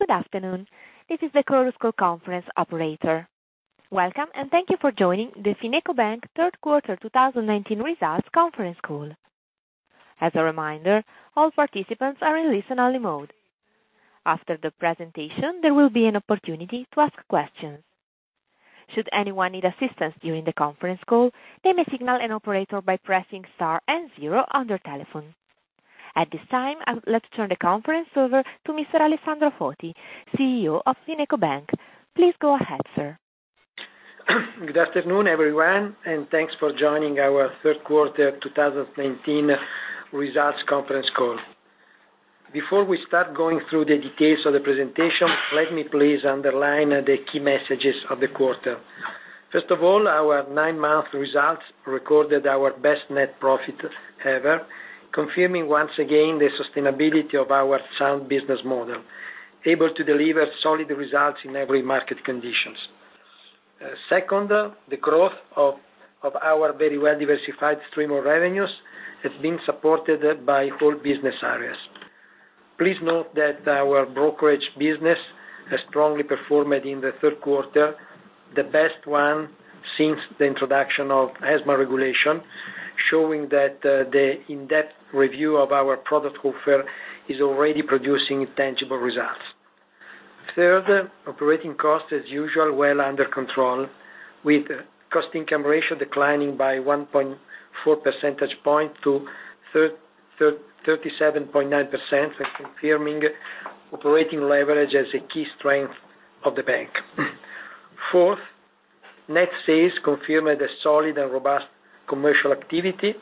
Good afternoon. This is the Chorus Call conference operator. Welcome, and thank you for joining the FinecoBank third quarter 2019 results conference call. As a reminder, all participants are in listen-only mode. After the presentation, there will be an opportunity to ask questions. Should anyone need assistance during the conference call, they may signal an operator by pressing star and zero on their telephone. At this time, I would like to turn the conference over to Mr. Alessandro Foti, CEO of FinecoBank. Please go ahead, sir. Good afternoon, everyone. Thanks for joining our third quarter 2019 results conference call. Before we start going through the details of the presentation, let me please underline the key messages of the quarter. First of all, our nine-month results recorded our best net profit ever, confirming once again the sustainability of our sound business model, able to deliver solid results in every market conditions. Second, the growth of our very well-diversified stream of revenues has been supported by four business areas. Please note that our brokerage business has strongly performed in the third quarter, the best one since the introduction of ESMA regulation, showing that the in-depth review of our product offer is already producing tangible results. Third, operating cost as usual well under control, with cost-income ratio declining by 1.4 percentage point to 37.9%, and confirming operating leverage as a key strength of the bank. Fourth, net sales confirmed a solid and robust commercial activity,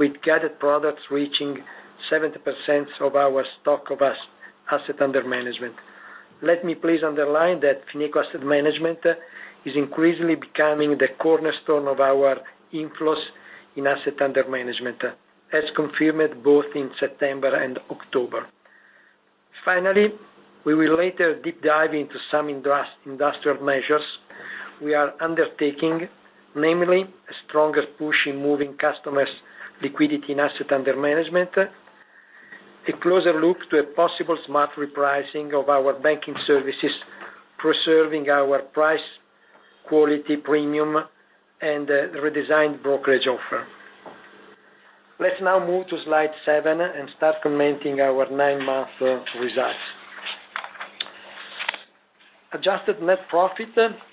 with gathered products reaching 70% of our stock of asset under management. Let me please underline that Fineco Asset Management is increasingly becoming the cornerstone of our inflows in asset under management, as confirmed both in September and October. We will later deep dive into some industrial measures we are undertaking, namely a stronger push in moving customers' liquidity in asset under management, a closer look to a possible smart repricing of our banking services, preserving our price quality premium, and a redesigned brokerage offer. Let's now move to slide seven and start commenting our nine-month results. Adjusted net profit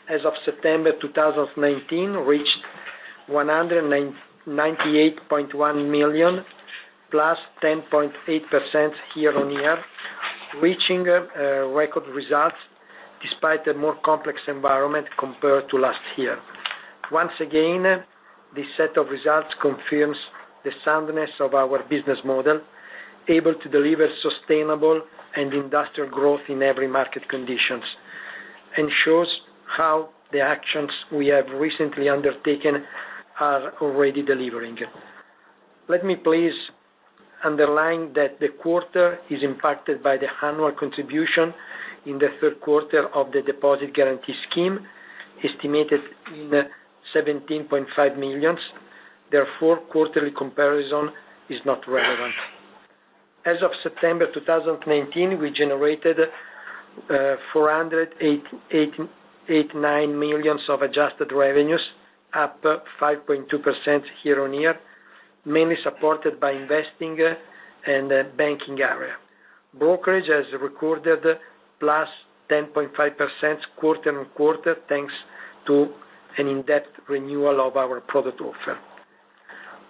as of September 2019 reached 198.1 million, plus 10.8% year-on-year, reaching record results despite a more complex environment compared to last year. Once again, this set of results confirms the soundness of our business model, able to deliver sustainable and industrial growth in every market conditions, and shows how the actions we have recently undertaken are already delivering. Let me please underline that the quarter is impacted by the annual contribution in the third quarter of the Deposit Guarantee Scheme, estimated in 17.5 million. Therefore, quarterly comparison is not relevant. As of September 2019, we generated 489 million of adjusted revenues, up 5.2% year-on-year, mainly supported by investing and banking area. Brokerage has recorded plus 10.5% quarter-on-quarter, thanks to an in-depth renewal of our product offer.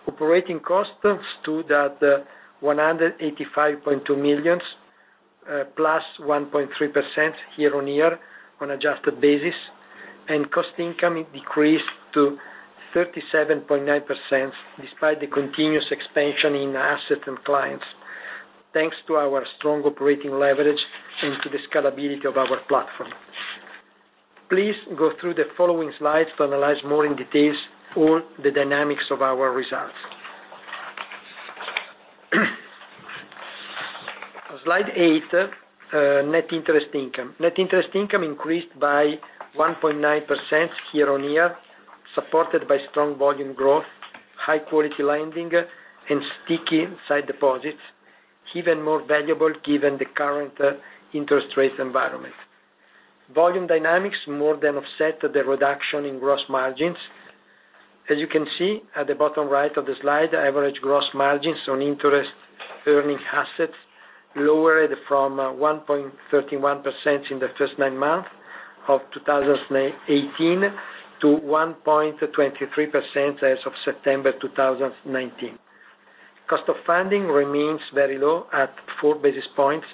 Operating costs stood at 185.2 million, plus 1.3% year-on-year on adjusted basis, and cost income decreased to 37.9%, despite the continuous expansion in assets and clients, thanks to our strong operating leverage and to the scalability of our platform. Please go through the following slides to analyze more in details all the dynamics of our results. On slide eight, net interest income. Net interest income increased by 1.9% year-on-year, supported by strong volume growth, high quality lending, and sticky side deposits, even more valuable given the current interest rates environment. Volume dynamics more than offset the reduction in gross margins. As you can see at the bottom right of the slide, average gross margins on interest-earning assets lowered from 1.31% in the first nine month of 2018 to 1.23% as of September 2019. Cost of funding remains very low at four basis points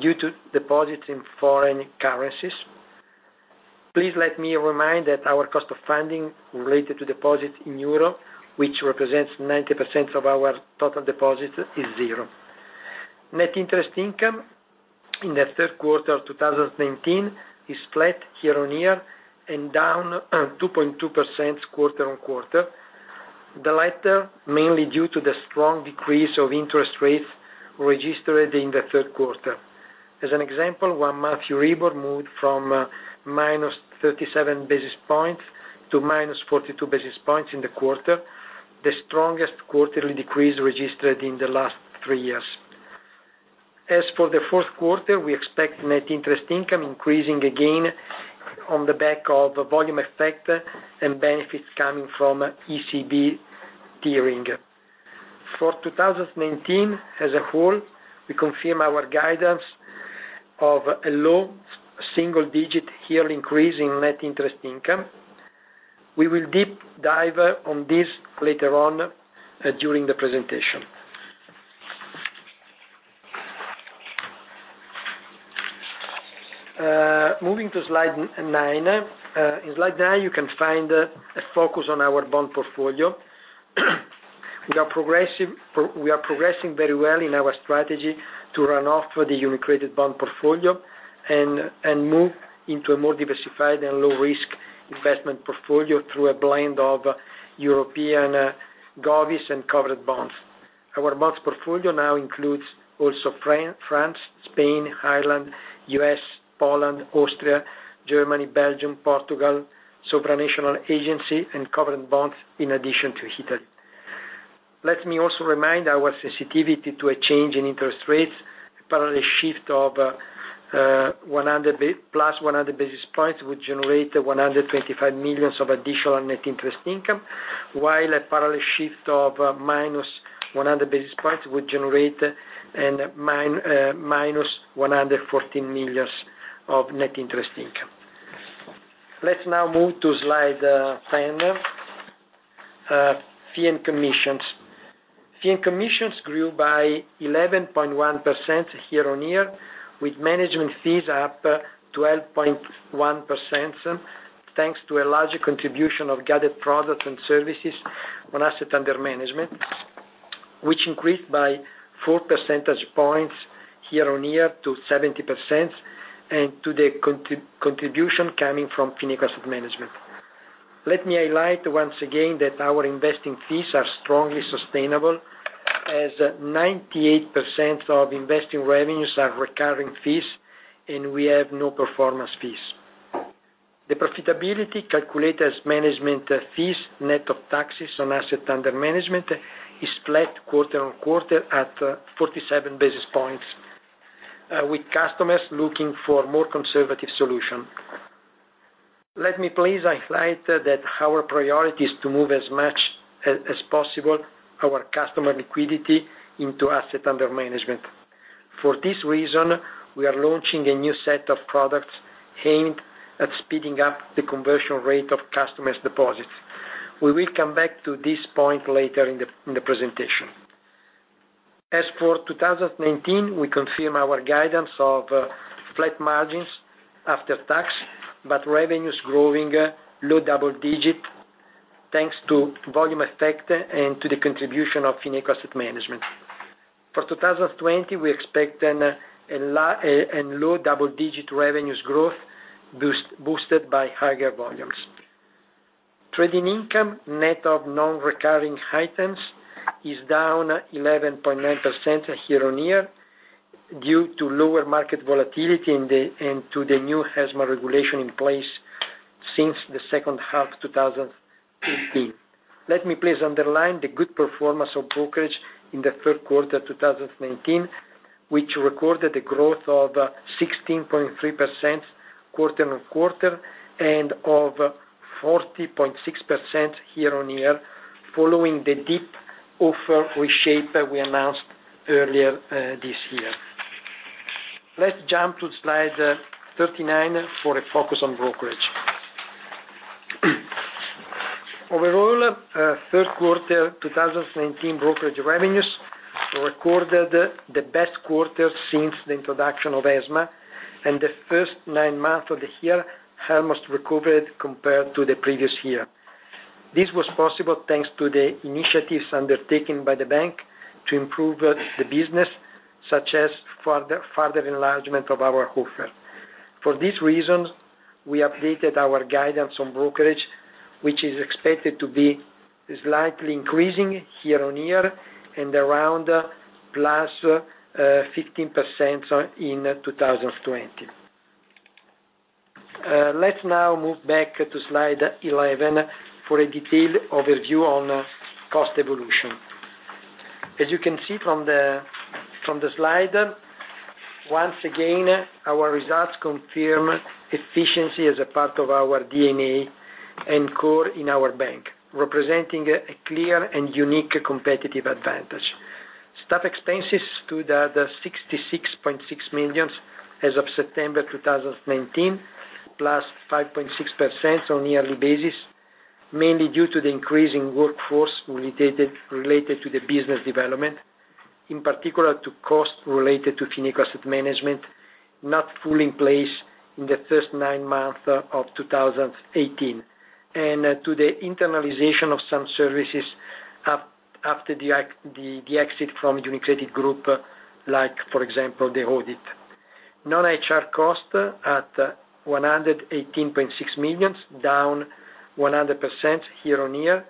due to deposits in foreign currencies. Please let me remind that our cost of funding related to deposits in euro, which represents 90% of our total deposits, is zero. Net interest income in the third quarter of 2019 is flat year-on-year and down 2.2% quarter-on-quarter. The latter, mainly due to the strong decrease of interest rates registered in the third quarter. As an example, one-month EURIBOR moved from minus 37 basis points to minus 42 basis points in the quarter. The strongest quarterly decrease registered in the last three years. As for the fourth quarter, we expect net interest income increasing again on the back of the volume effect and benefits coming from ECB tiering. For 2019 as a whole, we confirm our guidance of a low single digit year increase in net interest income. We will deep dive on this later on during the presentation. Moving to slide nine. In slide nine, you can find a focus on our bond portfolio. We are progressing very well in our strategy to run off the UniCredit bond portfolio and move into a more diversified and low risk investment portfolio through a blend of European govies and covered bonds. Our bonds portfolio now includes also France, Spain, Ireland, U.S., Poland, Austria, Germany, Belgium, Portugal, supranational agency, and covered bonds, in addition to Italy. Let me also remind our sensitivity to a change in interest rates. A parallel shift of plus 100 basis points would generate 125 million of additional net interest income, while a parallel shift of minus 100 basis points would generate a -114 million of net interest income. Let's now move to slide 10. Fee and commissions. Fee and commissions grew by 11.1% year-on-year, with management fees up 12.1%, thanks to a larger contribution of gathered products and services on asset under management, which increased by four percentage points year-on-year to 70%, and to the contribution coming from Fineco Asset Management. Let me highlight once again that our investing fees are strongly sustainable, as 98% of investing revenues are recurring fees, and we have no performance fees. The profitability calculated as management fees net of taxes on asset under management is flat quarter-on-quarter at 47 basis points, with customers looking for more conservative solution. Let me please highlight that our priority is to move as much as possible our customer liquidity into asset under management. For this reason, we are launching a new set of products aimed at speeding up the conversion rate of customers' deposits. We will come back to this point later in the presentation. As for 2019, we confirm our guidance of flat margins after tax, but revenues growing low double-digit, thanks to volume effect and to the contribution of Fineco Asset Management. For 2020, we expect a low double-digit revenues growth, boosted by higher volumes. Trading income net of non-recurring items is down 11.9% year-on-year due to lower market volatility and to the new ESMA regulation in place since the second half 2018. Let me please underline the good performance of brokerage in the third quarter 2019, which recorded a growth of 16.3% quarter-on-quarter and of 40.6% year-on-year, following the deep offer reshape that we announced earlier this year. Let's jump to slide 39 for a focus on brokerage. Overall, third quarter 2019 brokerage revenues recorded the best quarter since the introduction of ESMA, and the first 9 months of the year almost recovered compared to the previous year. This was possible thanks to the initiatives undertaken by the bank to improve the business, such as further enlargement of our offer. For this reason, we updated our guidance on brokerage, which is expected to be slightly increasing year-on-year and around +15% in 2020. Let's now move back to slide 11 for a detailed overview on cost evolution. As you can see from the slide, once again, our results confirm efficiency as a part of our DNA and core in our bank, representing a clear and unique competitive advantage. Staff expenses stood at 66.6 million as of September 2019, plus 5.6% on a yearly basis, mainly due to the increase in workforce related to the business development, in particular to costs related to Fineco Asset Management not fully in place in the first nine months of 2018, and to the internalization of some services after the exit from UniCredit Group, like for example, the audit. Non-HR cost at 118.6 million, down 100% year-on-year,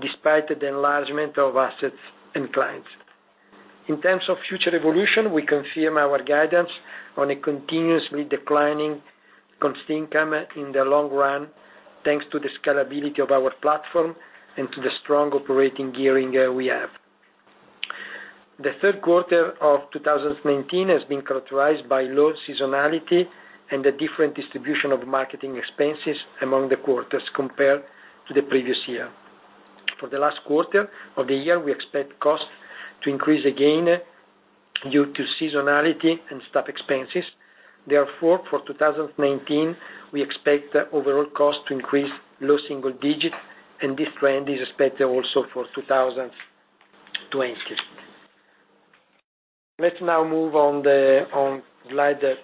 despite the enlargement of assets and clients. In terms of future evolution, we confirm our guidance on a continuously declining cost income in the long run, thanks to the scalability of our platform and to the strong operating gearing we have. The third quarter of 2019 has been characterized by low seasonality and a different distribution of marketing expenses among the quarters, compared to the previous year. For the last quarter of the year, we expect costs to increase again due to seasonality and staff expenses. For 2019, we expect the overall cost to increase low single digits, and this trend is expected also for 2020. Let's now move on slide 12.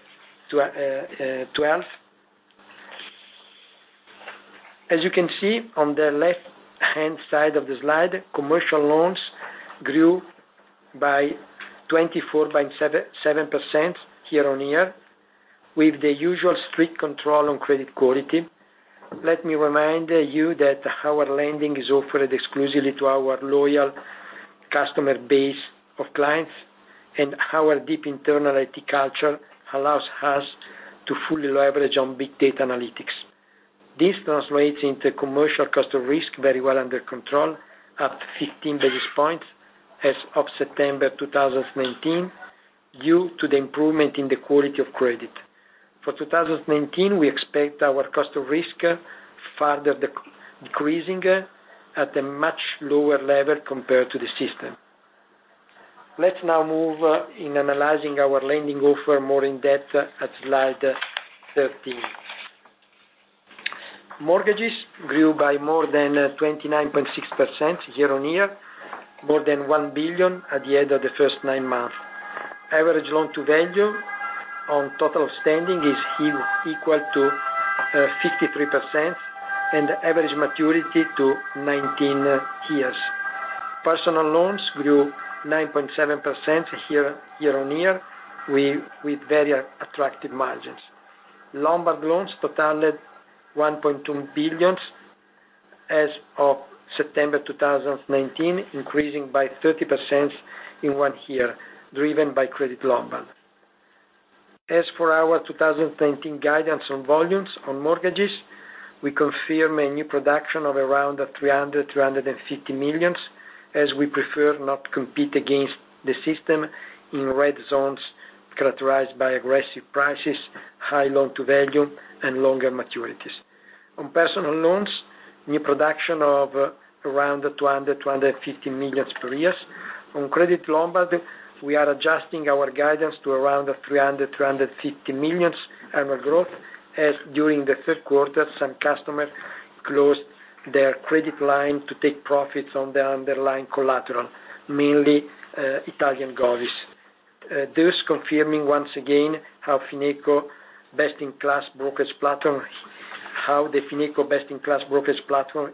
As you can see on the left-hand side of the slide, commercial loans grew by 24.7% year-on-year, with the usual strict control on credit quality. Let me remind you that our lending is offered exclusively to our loyal customer base of clients and our deep internal IT culture allows us to fully leverage on big data analytics. This translates into commercial cost of risk very well under control at 15 basis points as of September 2019, due to the improvement in the quality of credit. For 2019, we expect our cost of risk further decreasing at a much lower level compared to the system. Let's now move in analyzing our lending offer more in depth at slide 13. Mortgages grew by more than 29.6% year-on-year, more than 1 billion at the end of the first nine months. Average loan-to-value on total standing is equal to 53%, and average maturity to 19 years. Personal loans grew 9.7% year-on-year, with very attractive margins. Lombard loans totaled 1.2 billion as of September 2019, increasing by 30% in one year, driven by Lombard credit. As for our 2019 guidance on volumes on mortgages, we confirm a new production of around 300 million-350 million, as we prefer not to compete against the system in red zones characterized by aggressive prices, high loan-to-value, and longer maturities. On personal loans, new production of around 200 million-250 million per year. On Lombard credit, we are adjusting our guidance to around 300 million-350 million annual growth, as during the third quarter, some customers closed their credit line to take profits on the underlying collateral, mainly Italian governments. Thus, confirming once again how FinecoBank best-in-class brokerage platform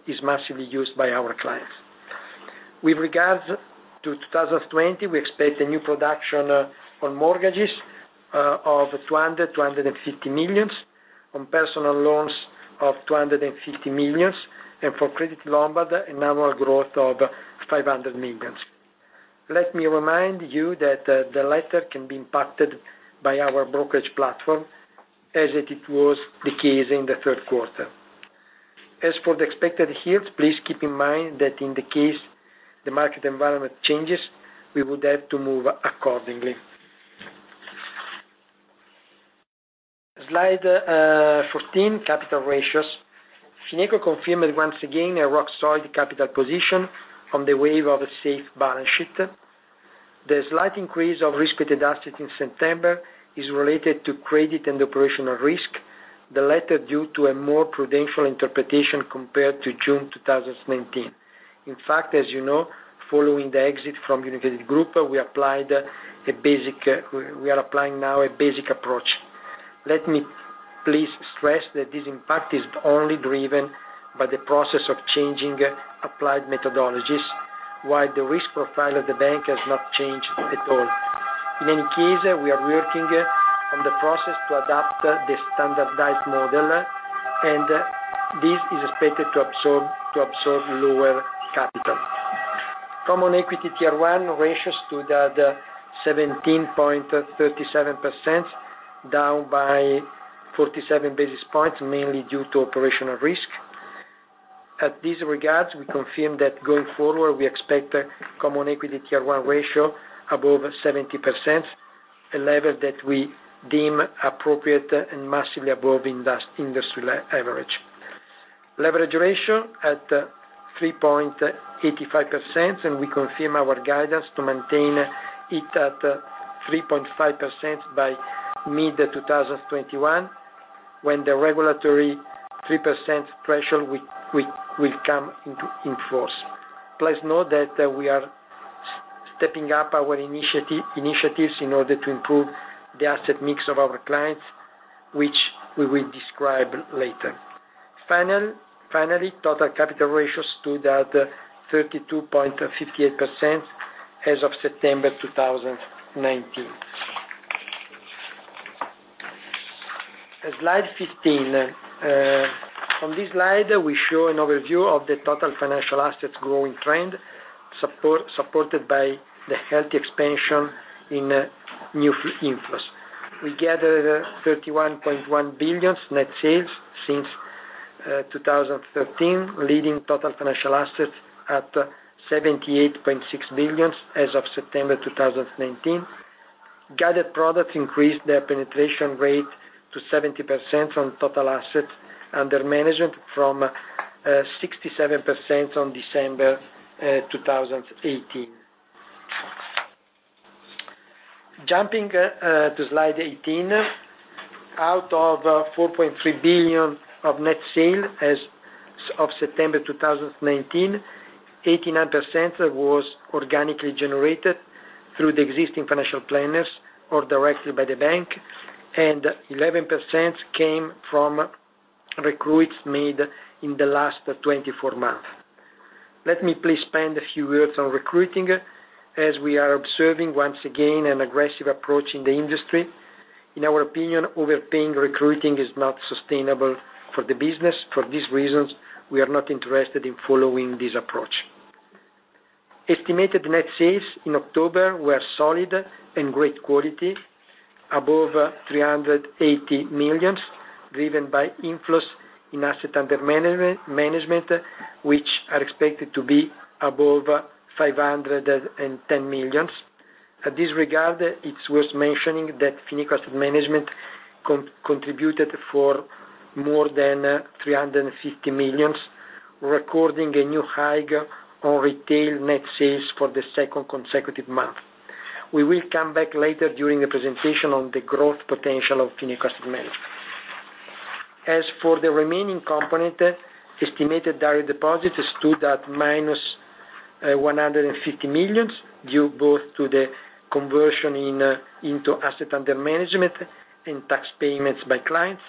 is massively used by our clients. With regards to 2020, we expect a new production on mortgages of 200 million-250 million, on personal loans of 250 million, and for Lombard credit, an annual growth of 500 million. Let me remind you that the latter can be impacted by our brokerage platform as it was the case in the third quarter. As for the expected yields, please keep in mind that in the case the market environment changes, we would have to move accordingly. Slide 14, capital ratios. FinecoBank confirmed once again a rock-solid capital position on the wave of a safe balance sheet. The slight increase of risk-weighted assets in September is related to credit and operational risk, the latter due to a more prudential interpretation compared to June 2019. In fact, as you know, following the exit from UniCredit Group, we are applying now a basic approach. Let me please stress that this impact is only driven by the process of changing applied methodologies, while the risk profile of the bank has not changed at all. In any case, we are working on the process to adapt the standardized model, and this is expected to absorb lower capital. Common equity Tier 1 ratio stood at 17.37%, down by 47 basis points, mainly due to operational risk. At this regards, we confirm that going forward, we expect common equity Tier 1 ratio above 70%, a level that we deem appropriate and massively above industry average. Leverage ratio at 3.85%. We confirm our guidance to maintain it at 3.5% by mid-2021, when the regulatory 3% threshold will come into force. Please note that we are stepping up our initiatives in order to improve the asset mix of our clients, which we will describe later. Finally, total capital ratio stood at 32.58% as of September 2019. Slide 15. On this slide, we show an overview of the total financial assets growing trend, supported by the healthy expansion in new inflows. We gathered 31.1 billion net sales since 2013, leading total financial assets at 78.6 billion as of September 2019. Gathered products increased their penetration rate to 70% on total assets under management from 67% on December 2018. Jumping to slide 18, out of 4.3 billion of net sales as of September 2019, 89% was organically generated through the existing financial planners or directly by the bank, and 11% came from recruits made in the last 24 months. Let me please spend a few words on recruiting, as we are observing once again an aggressive approach in the industry. In our opinion, overpaying recruiting is not sustainable for the business. For these reasons, we are not interested in following this approach. Estimated net sales in October were solid and great quality, above 380 million, driven by inflows in assets under management, which are expected to be above 510 million. In this regard, it's worth mentioning that Fineco Asset Management contributed for more than 350 million, recording a new high on retail net sales for the second consecutive month. We will come back later during the presentation on the growth potential of Fineco Asset Management. As for the remaining component, estimated direct deposits stood at -150 million, due both to the conversion into asset under management and tax payments by clients.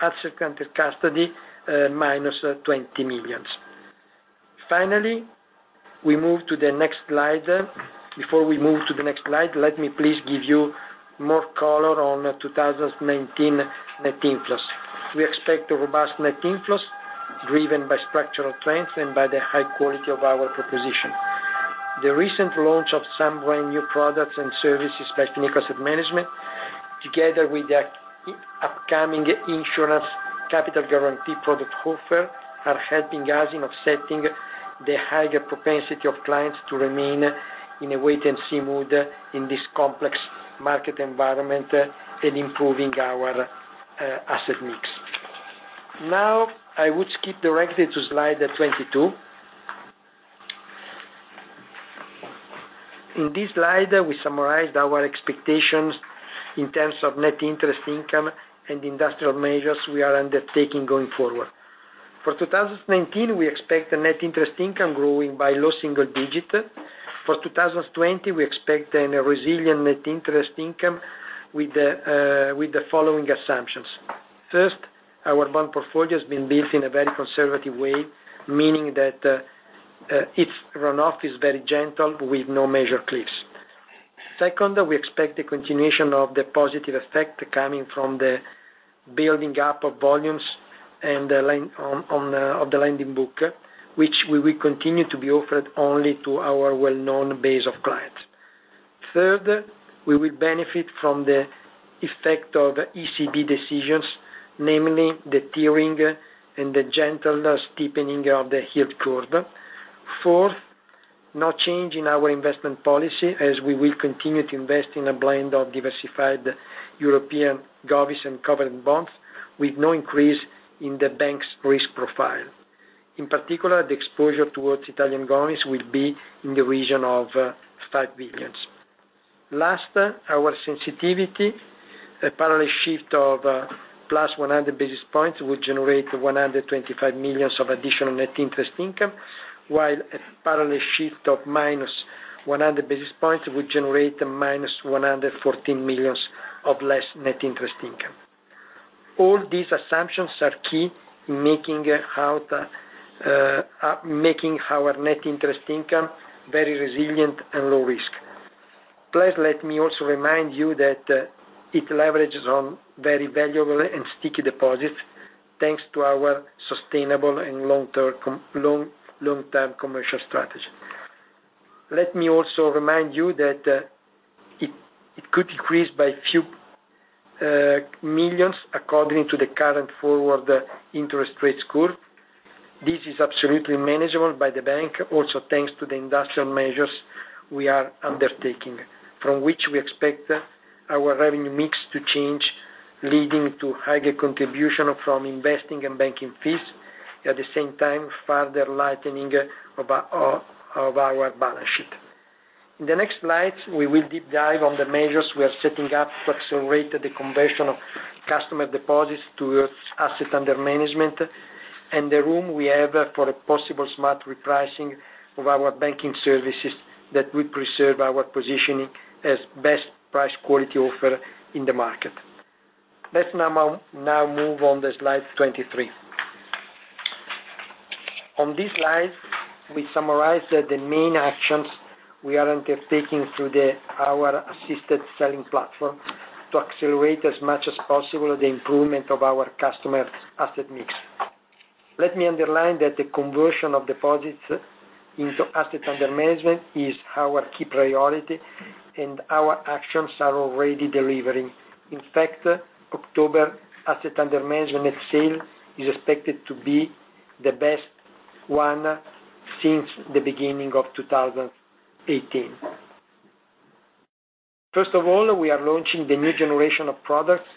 Assets under custody, -20 million. Finally, we move to the next slide. Before we move to the next slide, let me please give you more color on 2019 net inflows. We expect a robust net inflows driven by structural strengths and by the high quality of our proposition. The recent launch of some brand new products and services by Fineco Asset Management, together with the upcoming insurance capital guarantee product offer, are helping us in offsetting the higher propensity of clients to remain in a wait-and-see mode in this complex market environment and improving our asset mix. Now, I would skip directly to slide 22. In this slide, we summarized our expectations in terms of net interest income and industrial measures we are undertaking going forward. For 2019, we expect the net interest income growing by low single digits. For 2020, we expect a resilient net interest income with the following assumptions. First, our bond portfolio has been built in a very conservative way, meaning that its runoff is very gentle with no major cliffs. Second, we expect the continuation of the positive effect coming from the building up of volumes of the lending book, which we will continue to be offered only to our well-known base of clients. Third, we will benefit from the effect of ECB decisions, namely the tiering and the gentle steepening of the yield curve. Fourth, no change in our investment policy as we will continue to invest in a blend of diversified European govies and covered bonds with no increase in the bank's risk profile. In particular, the exposure towards Italian govies will be in the region of 5 billion. Last, our sensitivity. A parallel shift of +100 basis points would generate 125 million of additional net interest income, while a parallel shift of -100 basis points would generate 114 million of less net interest income. All these assumptions are key in making our net interest income very resilient and low risk. Please let me also remind you that it leverages on very valuable and sticky deposits, thanks to our sustainable and long-term commercial strategy. Let me also remind you that it could decrease by a few millions according to the current forward interest rates curve. This is absolutely manageable by the bank, also thanks to the industrial measures we are undertaking, from which we expect our revenue mix to change, leading to higher contribution from investing and banking fees, at the same time, further lightening of our balance sheet. In the next slide, we will deep dive on the measures we are setting up to accelerate the conversion of customer deposits towards assets under management and the room we have for a possible smart repricing of our banking services that will preserve our positioning as best price quality offer in the market. Let's now move on to slide 23. On this slide, we summarize the main actions we are undertaking through our assisted selling platform to accelerate as much as possible the improvement of our customer asset mix. Let me underline that the conversion of deposits into asset under management is our key priority, and our actions are already delivering. In fact, October asset under management net sales is expected to be the best one since the beginning of 2018. First of all, we are launching the new generation of products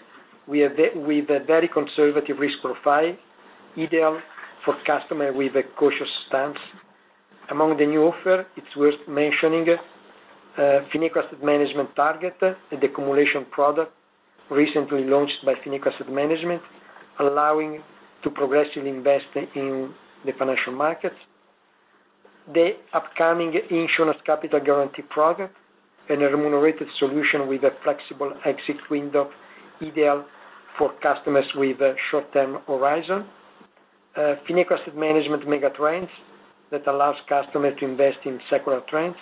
with a very conservative risk profile, ideal for customer with a cautious stance. Among the new offer, it's worth mentioning Fineco Asset Management Target, the accumulation product recently launched by Fineco Asset Management, allowing to progressively invest in the financial markets. The upcoming insurance capital guarantee product, and a remunerated solution with a flexible exit window ideal for customers with a short-term horizon. Fineco Asset Management Megatrends, that allows customers to invest in secular trends.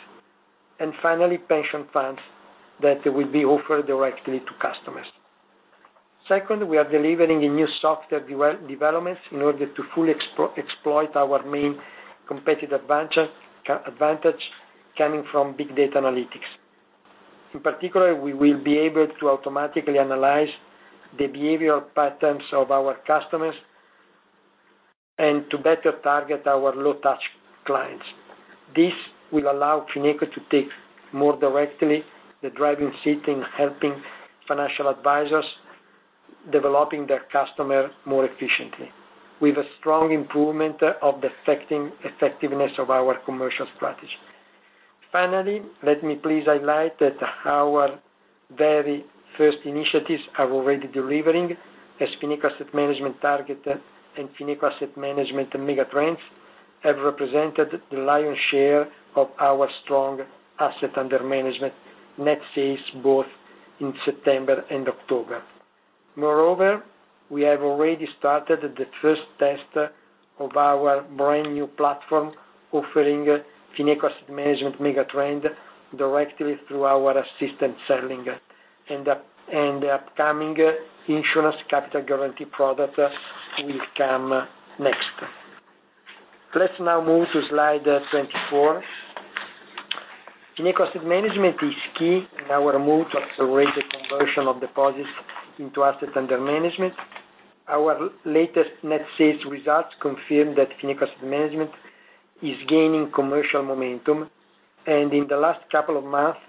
Finally, pension funds that will be offered directly to customers. We are delivering new software developments in order to fully exploit our main competitive advantage coming from big data analytics. We will be able to automatically analyze the behavioral patterns of our customers, and to better target our low-touch clients. This will allow Fineco to take more directly the driving seat in helping financial advisors developing their customer more efficiently, with a strong improvement of the effectiveness of our commercial strategy. Let me please highlight that our very first initiatives are already delivering as Fineco Asset Management Target and Fineco Asset Management Megatrends have represented the lion's share of our strong asset under management net sales, both in September and October. We have already started the first test of our brand-new platform offering Fineco Asset Management Megatrends directly through our assisted selling, and the upcoming insurance capital guarantee product will come next. Let's now move to slide 24. Fineco Asset Management is key in our move to accelerate the conversion of deposits into assets under management. Our latest net sales results confirm that Fineco Asset Management is gaining commercial momentum, and in the last couple of months,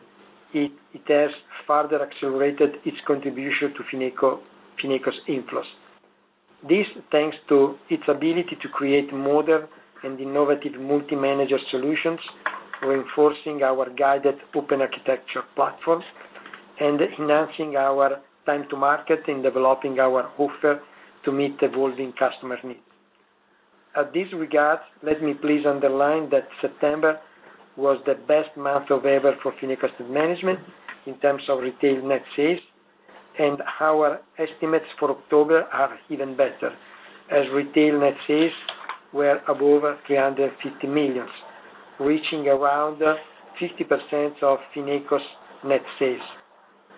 it has further accelerated its contribution to Fineco's inflows. This thanks to its ability to create modern and innovative multi-manager solutions, reinforcing our guided open architecture platforms and enhancing our time to market in developing our offer to meet evolving customers' needs. At this regard, let me please underline that September was the best month ever for Fineco Asset Management in terms of retail net sales, and our estimates for October are even better, as retail net sales were above 350 million, reaching around 50% of Fineco's net sales.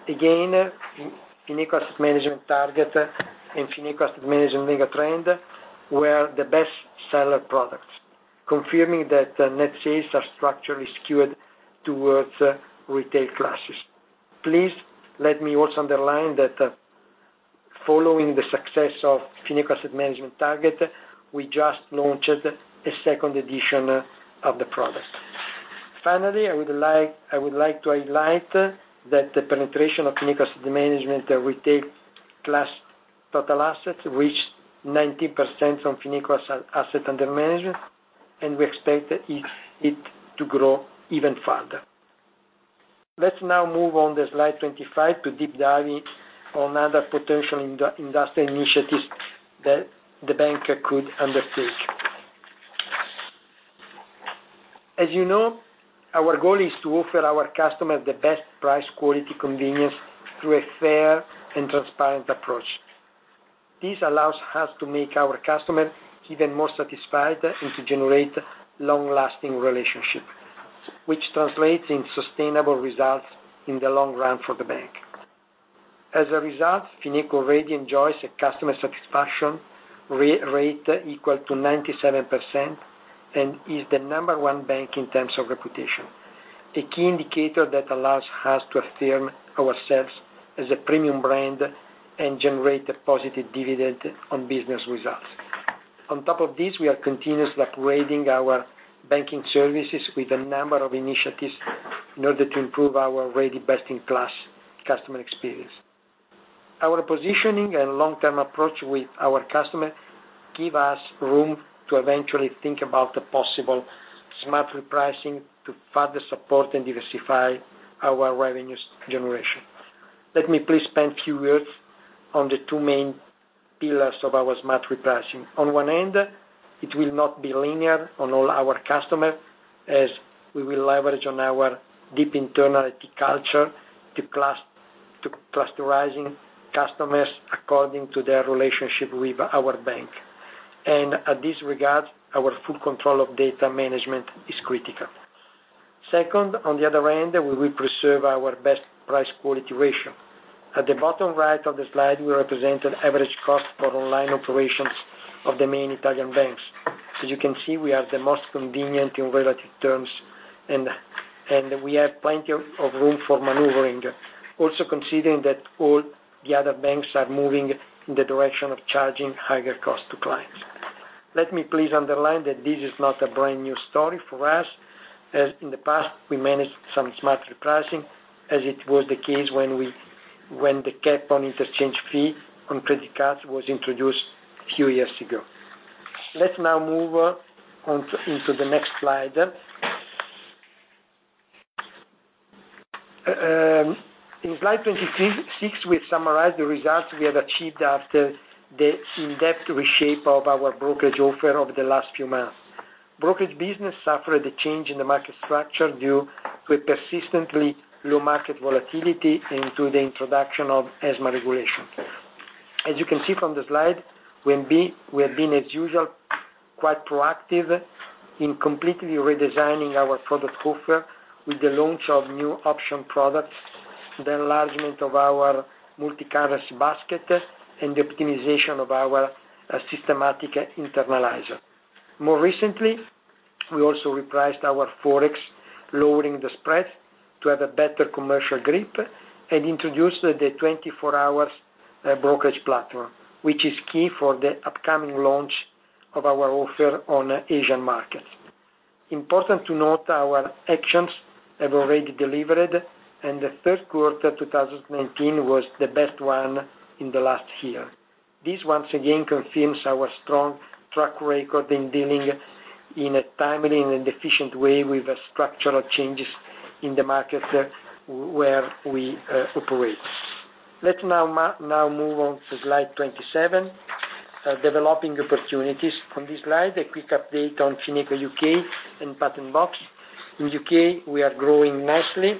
Fineco Asset Management Target and Fineco Asset Management Megatrends were the best-seller products, confirming that net sales are structurally skewed towards retail classes. Please let me also underline that following the success of Fineco Asset Management Target, we just launched a second edition of the product. I would like to highlight that the penetration of Fineco Asset Management retail class total assets reached 90% on Fineco's Assets under Management, and we expect it to grow even further. Let's now move on to slide 25 to deep dive on other potential industry initiatives that the bank could undertake. As you know, our goal is to offer our customers the best price quality convenience through a fair and transparent approach. This allows us to make our customers even more satisfied and to generate long-lasting relationship, which translates in sustainable results in the long run for the bank. As a result, Fineco already enjoys a customer satisfaction rate equal to 97% and is the number one bank in terms of reputation. A key indicator that allows us to affirm ourselves as a premium brand and generate a positive dividend on business results. On top of this, we are continuously upgrading our banking services with a number of initiatives in order to improve our already best-in-class customer experience. Our positioning and long-term approach with our customers give us room to eventually think about the possible smart repricing to further support and diversify our revenues generation. Let me please spend a few words on the two main pillars of our smart repricing. On one end, it will not be linear on all our customers, as we will leverage on our deep internal IT culture to clusterizing customers according to their relationship with our bank. At this regard, our full control of data management is critical. Second, on the other end, we will preserve our best price quality ratio. At the bottom right of the slide, we represented average cost for online operations of the main Italian banks. As you can see, we are the most convenient in relative terms, and we have plenty of room for maneuvering. Also considering that all the other banks are moving in the direction of charging higher costs to clients. Let me please underline that this is not a brand-new story for us, as in the past, we managed some smart repricing, as it was the case when the cap on interchange fee on credit cards was introduced a few years ago. Let's now move into the next slide. In slide 26, we have summarized the results we have achieved after the in-depth reshape of our brokerage offer over the last few months. Brokerage business suffered a change in the market structure due to persistently low market volatility and to the introduction of ESMA regulation. As you can see from the slide, we have been, as usual, quite proactive in completely redesigning our product offer with the launch of new option products, the enlargement of our multi-currency basket, and the optimization of our systematic internaliser. More recently, we also repriced our forex, lowering the spread to have a better commercial grip, and introduced the 24-hour brokerage platform, which is key for the upcoming launch of our offer on Asian markets. Important to note, our actions have already delivered, and the third quarter 2019 was the best one in the last year. This once again confirms our strong track record in dealing in a timely and efficient way with structural changes in the market where we operate. Let's now move on to slide 27, developing opportunities. On this slide, a quick update on Fineco U.K. and Patent Box. In U.K., we are growing nicely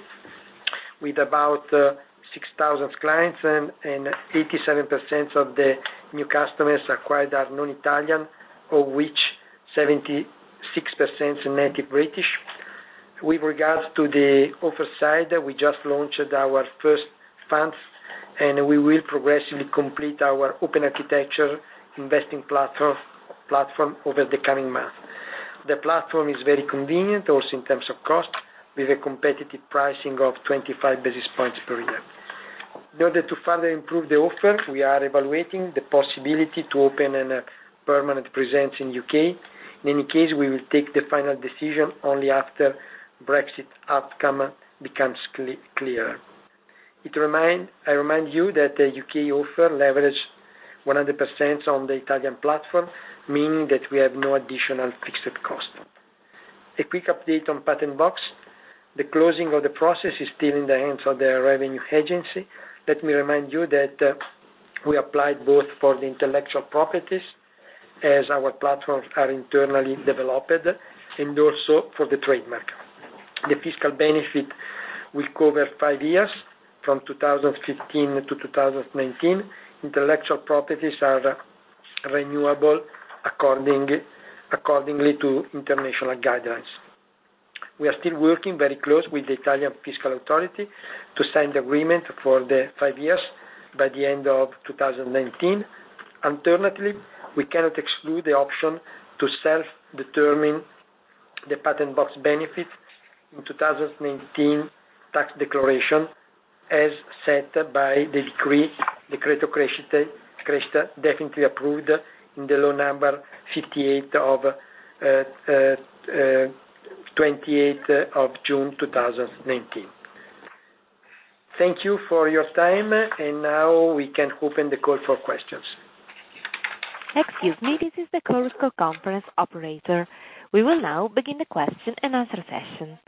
with about 6,000 clients, and 87% of the new customers acquired are non-Italian, of which 76% are native British. With regards to the offer side, we just launched our first funds, and we will progressively complete our open architecture investing platform over the coming months. The platform is very convenient also in terms of cost, with a competitive pricing of 25 basis points per year. In order to further improve the offer, we are evaluating the possibility to open a permanent presence in U.K. In any case, we will take the final decision only after Brexit outcome becomes clearer. I remind you that U.K. offer leverage 100% on the Italian platform, meaning that we have no additional fixed cost. A quick update on Patent Box. The closing of the process is still in the hands of the revenue agency. Let me remind you that we applied both for the intellectual properties, as our platforms are internally developed, and also for the trademark. The fiscal benefit will cover five years, from 2015 to 2019. Intellectual properties are renewable accordingly to international guidelines. We are still working very closely with the Italian fiscal authority to sign the agreement for the five years by the end of 2019. Alternatively, we cannot exclude the option to self-determine the Patent Box benefit in 2019 tax declaration, as set by the decree, the Tax Credit, definitely approved in the Law no. 58 of 28th of June 2019. Thank you for your time. Now we can open the call for questions. Excuse me, this is the Chorus Call Conference operator. We will now begin the question and answer session.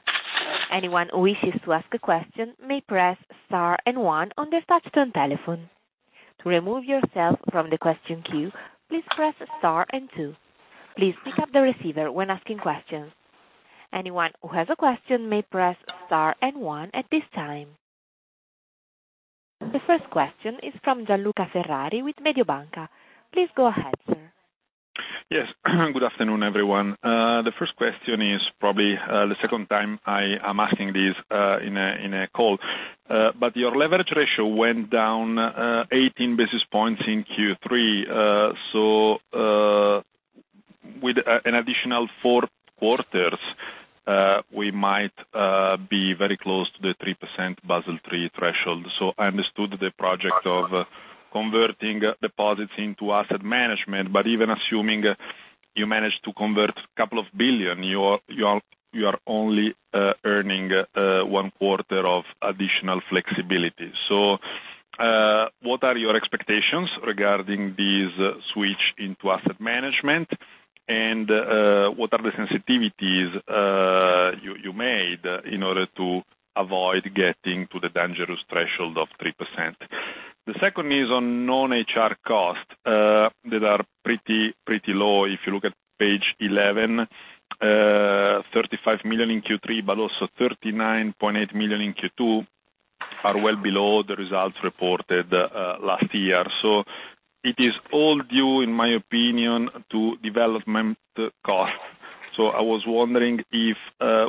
Anyone who wishes to ask a question may press star and one on their touch-tone telephone. To remove yourself from the question queue, please press star and two. Please pick up the receiver when asking questions. Anyone who has a question may press star and one at this time. The first question is from Gianluca Ferrari with Mediobanca. Please go ahead, sir. Yes. Good afternoon, everyone. The first question is probably the second time I am asking this in a call. Your leverage ratio went down 18 basis points in Q3. With an additional four quarters, we might be very close to the 3% Basel III threshold. I understood the project of converting deposits into asset management, but even assuming you manage to convert a couple of billion, you are only earning one quarter of additional flexibility. What are your expectations regarding this switch into asset management? What are the sensitivities you made in order to avoid getting to the dangerous threshold of 3%? The second is on non-HR costs, that are pretty low. If you look at page 11, 35 million in Q3, but also 39.8 million in Q2, are well below the results reported last year. It is all due, in my opinion, to development cost. I was wondering if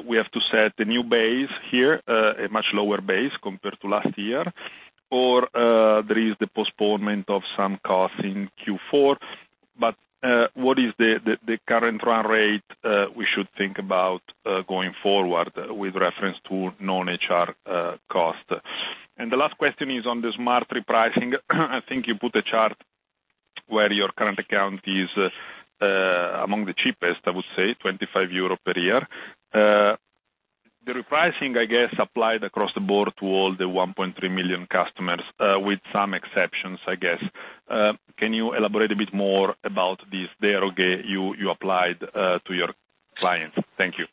we have to set a new base here, a much lower base compared to last year, or there is the postponement of some cost in Q4. What is the current run rate we should think about going forward with reference to non-HR cost? The last question is on the smart repricing. I think you put a chart where your current account is among the cheapest, I would say, 25 euro per year. The repricing, I guess, applied across the board to all the 1.3 million customers, with some exceptions, I guess. Can you elaborate a bit more about this derogation you applied to your clients? Thank you.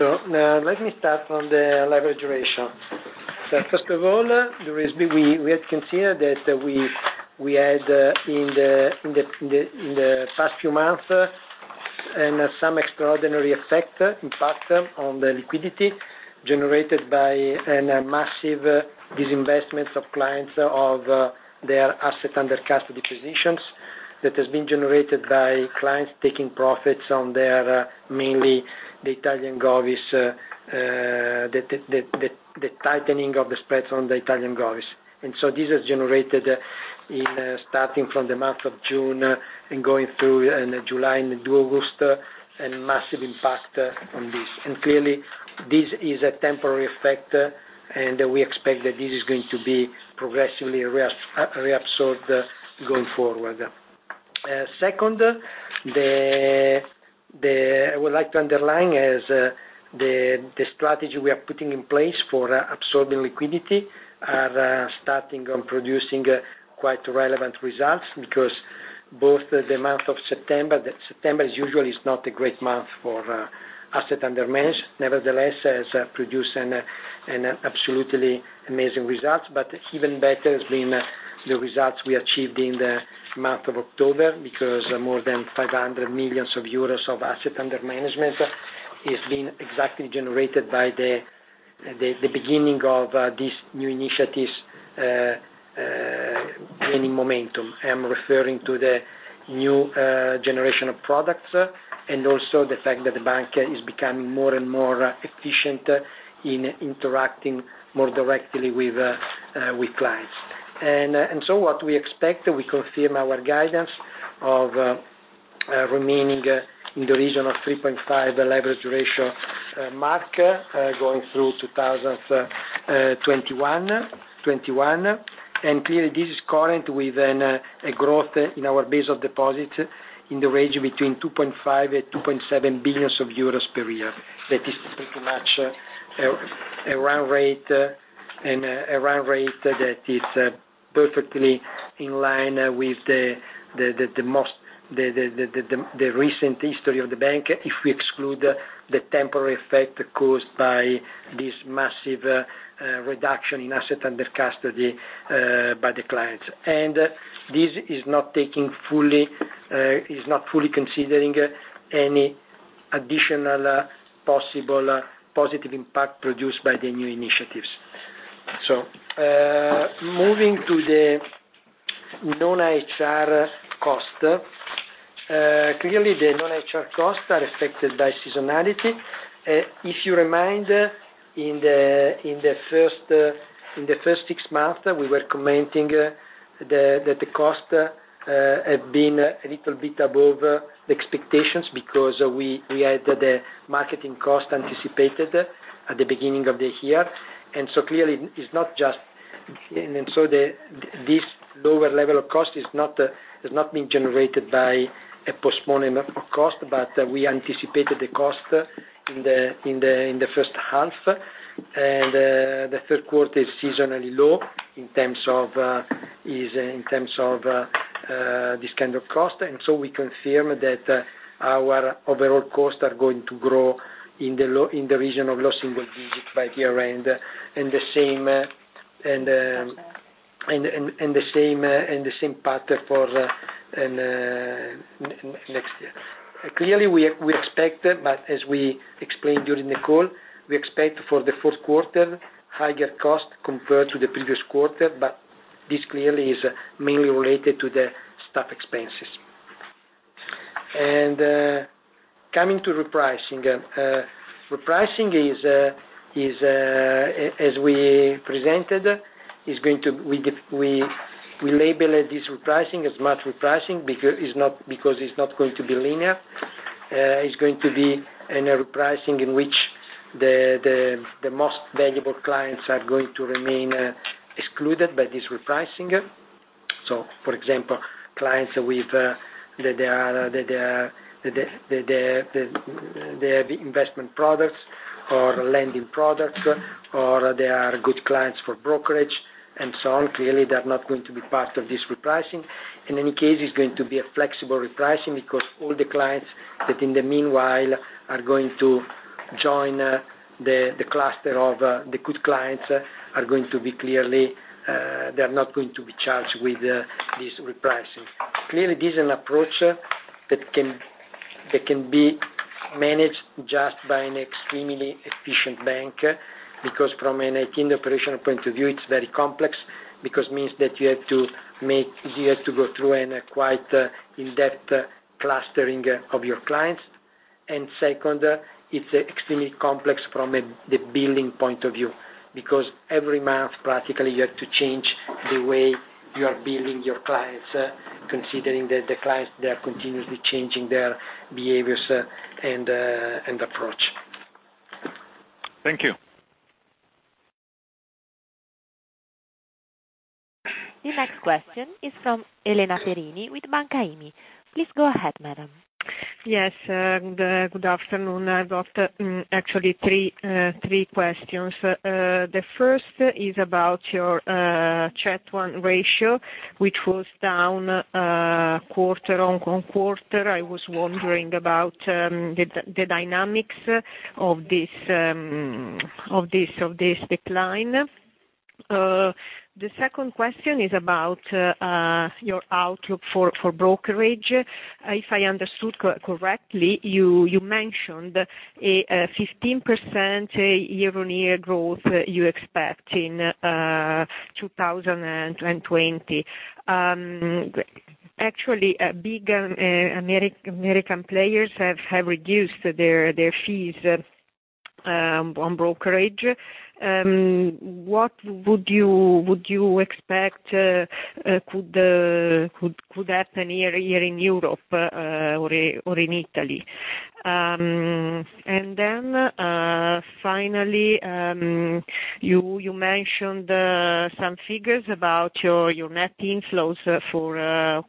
Let me start on the leverage ratio. First of all, we had considered that we had, in the past few months, some extraordinary effect impact on the liquidity, generated by massive disinvestment of clients of their asset under custody positions, that has been generated by clients taking profits on their, mainly, the tightening of the spreads on the Italian govies. This has generated in, starting from the month of June and going through in July and August, a massive impact on this. Clearly, this is a temporary effect, and we expect that this is going to be progressively reabsorbed going forward. Second, I would like to underline is the strategy we are putting in place for absorbing liquidity are starting and producing quite relevant results, because both the month of September usually is not a great month for asset under manage. Nevertheless, has produced an absolutely amazing result. Even better has been the results we achieved in the month of October, because more than 500 million euros of asset under management has been exactly generated by the beginning of these new initiatives gaining momentum. I am referring to the new generation of products, and also the fact that the bank is becoming more and more efficient in interacting more directly with clients. What we expect, we confirm our guidance of remaining in the region of 3.5 leverage ratio mark going through 2021. Clearly this is current with a growth in our base of deposits in the range between 2.5 billion and 2.7 billion euros per year. That is pretty much a run rate that is perfectly in line with the recent history of the bank, if we exclude the temporary effect caused by this massive reduction in asset under custody by the clients. This is not fully considering any additional possible positive impact produced by the new initiatives. Moving to the non-HR cost. Clearly, the non-HR costs are affected by seasonality. If you remind, in the first six months, we were commenting that the cost had been a little bit above the expectations because we had the marketing cost anticipated at the beginning of the year. This lower level of cost has not been generated by a postponement of cost, but we anticipated the cost in the first half. The third quarter is seasonally low in terms of this kind of cost. We confirm that our overall costs are going to grow in the region of low single digits by year-end. The same path for next year. Clearly, we expect, but as we explained during the call, we expect for the fourth quarter, higher cost compared to the previous quarter, but this clearly is mainly related to the staff expenses. Coming to repricing. Repricing is, as we presented, we label this repricing as smart repricing, because it's not going to be linear. It's going to be an repricing in which the most valuable clients are going to remain excluded by this repricing. For example, clients with the investment products or lending products, or they are good clients for brokerage and so on, clearly they're not going to be part of this repricing. In any case, it's going to be a flexible repricing because all the clients that in the meanwhile are going to join the cluster of the good clients are going to be clearly, they're not going to be charged with these repricing. Clearly, this is an approach that can be managed just by an extremely efficient bank, because from an IT operational point of view, it's very complex, because it means that you have to go through an quite in-depth clustering of your clients. Second, it's extremely complex from the billing point of view, because every month practically you have to change the way you are billing your clients, considering that the clients, they are continuously changing their behaviors and approach. Thank you. The next question is from Elena Perini with Intesa Sanpaolo. Please go ahead, madam. Yes, good afternoon. I've got actually three questions. The first is about your CET1 ratio, which was down quarter-on-quarter. The second question is about your outlook for brokerage. If I understood correctly, you mentioned a 15% year-on-year growth you expect in 2020. Actually, big American players have reduced their fees on brokerage. What would you expect could happen here in Europe or in Italy? Finally, you mentioned some figures about your net inflows for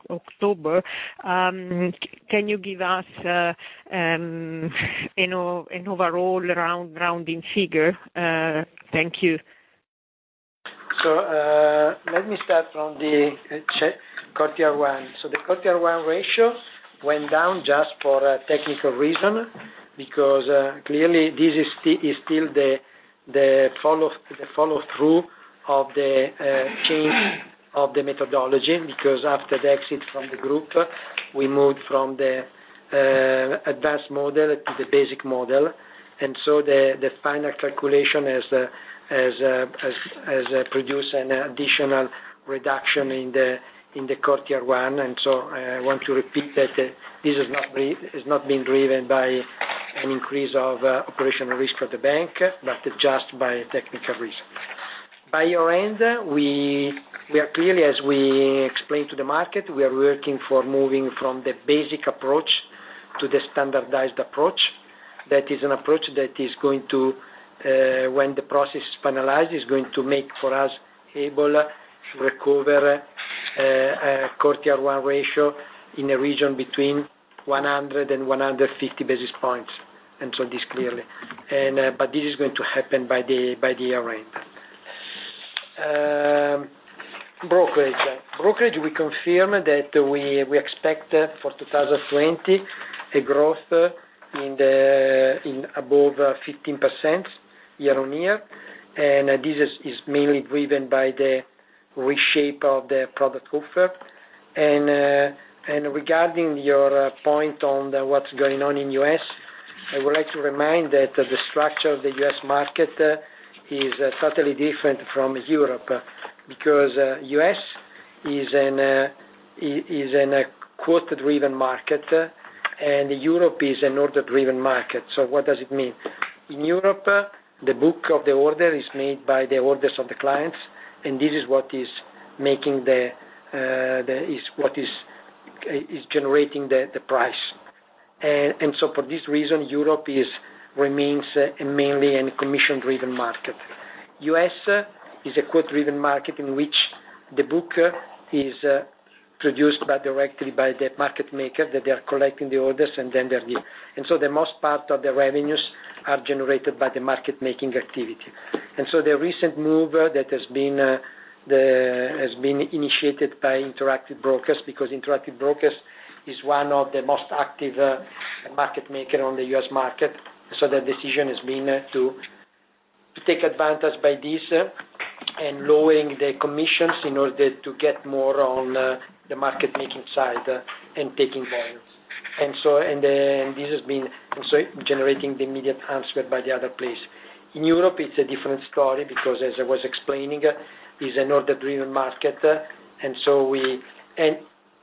October. Can you give us an overall rounding figure? Thank you. Let me start from the CET1. The CET1 ratio went down just for a technical reason, because clearly this is still the follow-through of the change of the methodology, because after the exit from the group, we moved from the advanced model to the basic model. The final calculation has produced an additional reduction in the CET1. I want to repeat that this has not been driven by an increase of operational risk for the bank, but just by a technical reason. By year-end, we are clearly, as we explained to the market, we are working for moving from the basic approach to the standardized approach. That is an approach that is going to, when the process is finalized, is going to make for us able to recover a CET1 ratio in a region between 100 and 150 basis points. This is going to happen by the year-end. Brokerage. Brokerage, we confirm that we expect for 2020, a growth in above 15% year-on-year, this is mainly driven by the reshape of the product offer. Regarding your point on what's going on in U.S., I would like to remind that the structure of the U.S. market is totally different from Europe, because U.S. is an quote-driven market, Europe is an order-driven market. What does it mean? In Europe, the book of the order is made by the orders of the clients, this is what is generating the price. For this reason, Europe remains mainly a commission-driven market. U.S. is a quote-driven market in which the book is produced directly by the market maker, that they are collecting the orders and then they read. The most part of the revenues are generated by the market-making activity. The recent move that has been initiated by Interactive Brokers, because Interactive Brokers is one of the most active market maker on the U.S. market. The decision has been to take advantage by this and lowering the commissions in order to get more on the market-making side and taking volumes. This has been also generating the immediate answer by the other place. In Europe, it's a different story because, as I was explaining, it's an order-driven market.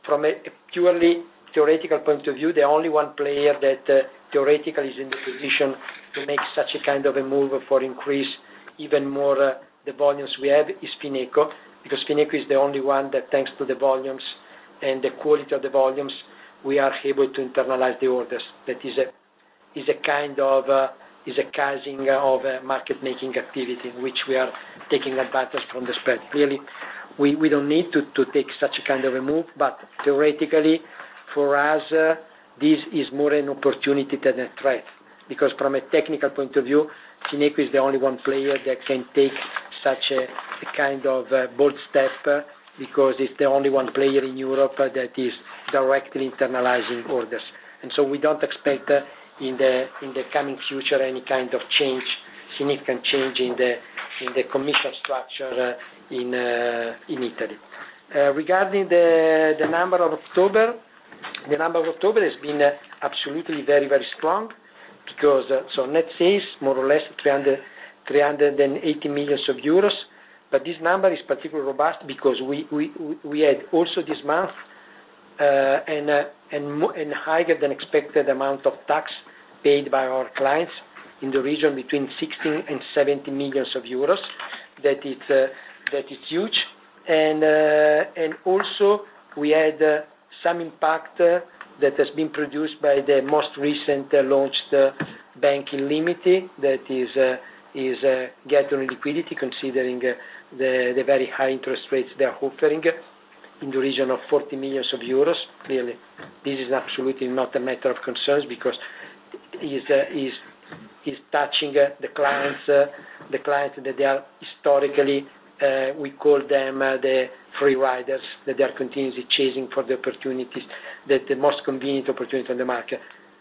From a purely theoretical point of view, the only one player that theoretically is in the position to make such a kind of a move for increase even more the volumes we have is Fineco, because Fineco is the only one that, thanks to the volumes and the quality of the volumes, we are able to internalize the orders. That is a causing of a market-making activity, which we are taking advantage from the spread. Clearly, we don't need to take such a kind of a move, but theoretically, for us, this is more an opportunity than a threat. From a technical point of view, Fineco is the only one player that can take such a kind of bold step because it's the only one player in Europe that is directly internalizing orders. We don't expect in the coming future any kind of significant change in the commercial structure in Italy. Regarding the number of October, the number of October has been absolutely very, very strong because so net sales more or less 380 million euros. This number is particularly robust because we had also this month, and higher than expected amount of tax paid by our clients in the region between 16 million euros and EUR 17 million. That is huge. Also we had some impact that has been produced by the most recent launched bank in limiting that is, getting liquidity considering the very high interest rates they are offering in the region of 40 million euros. Clearly, this is absolutely not a matter of concern because it's touching the clients that they are historically, we call them the free riders, that they are continuously chasing for the opportunities, the most convenient opportunities on the market.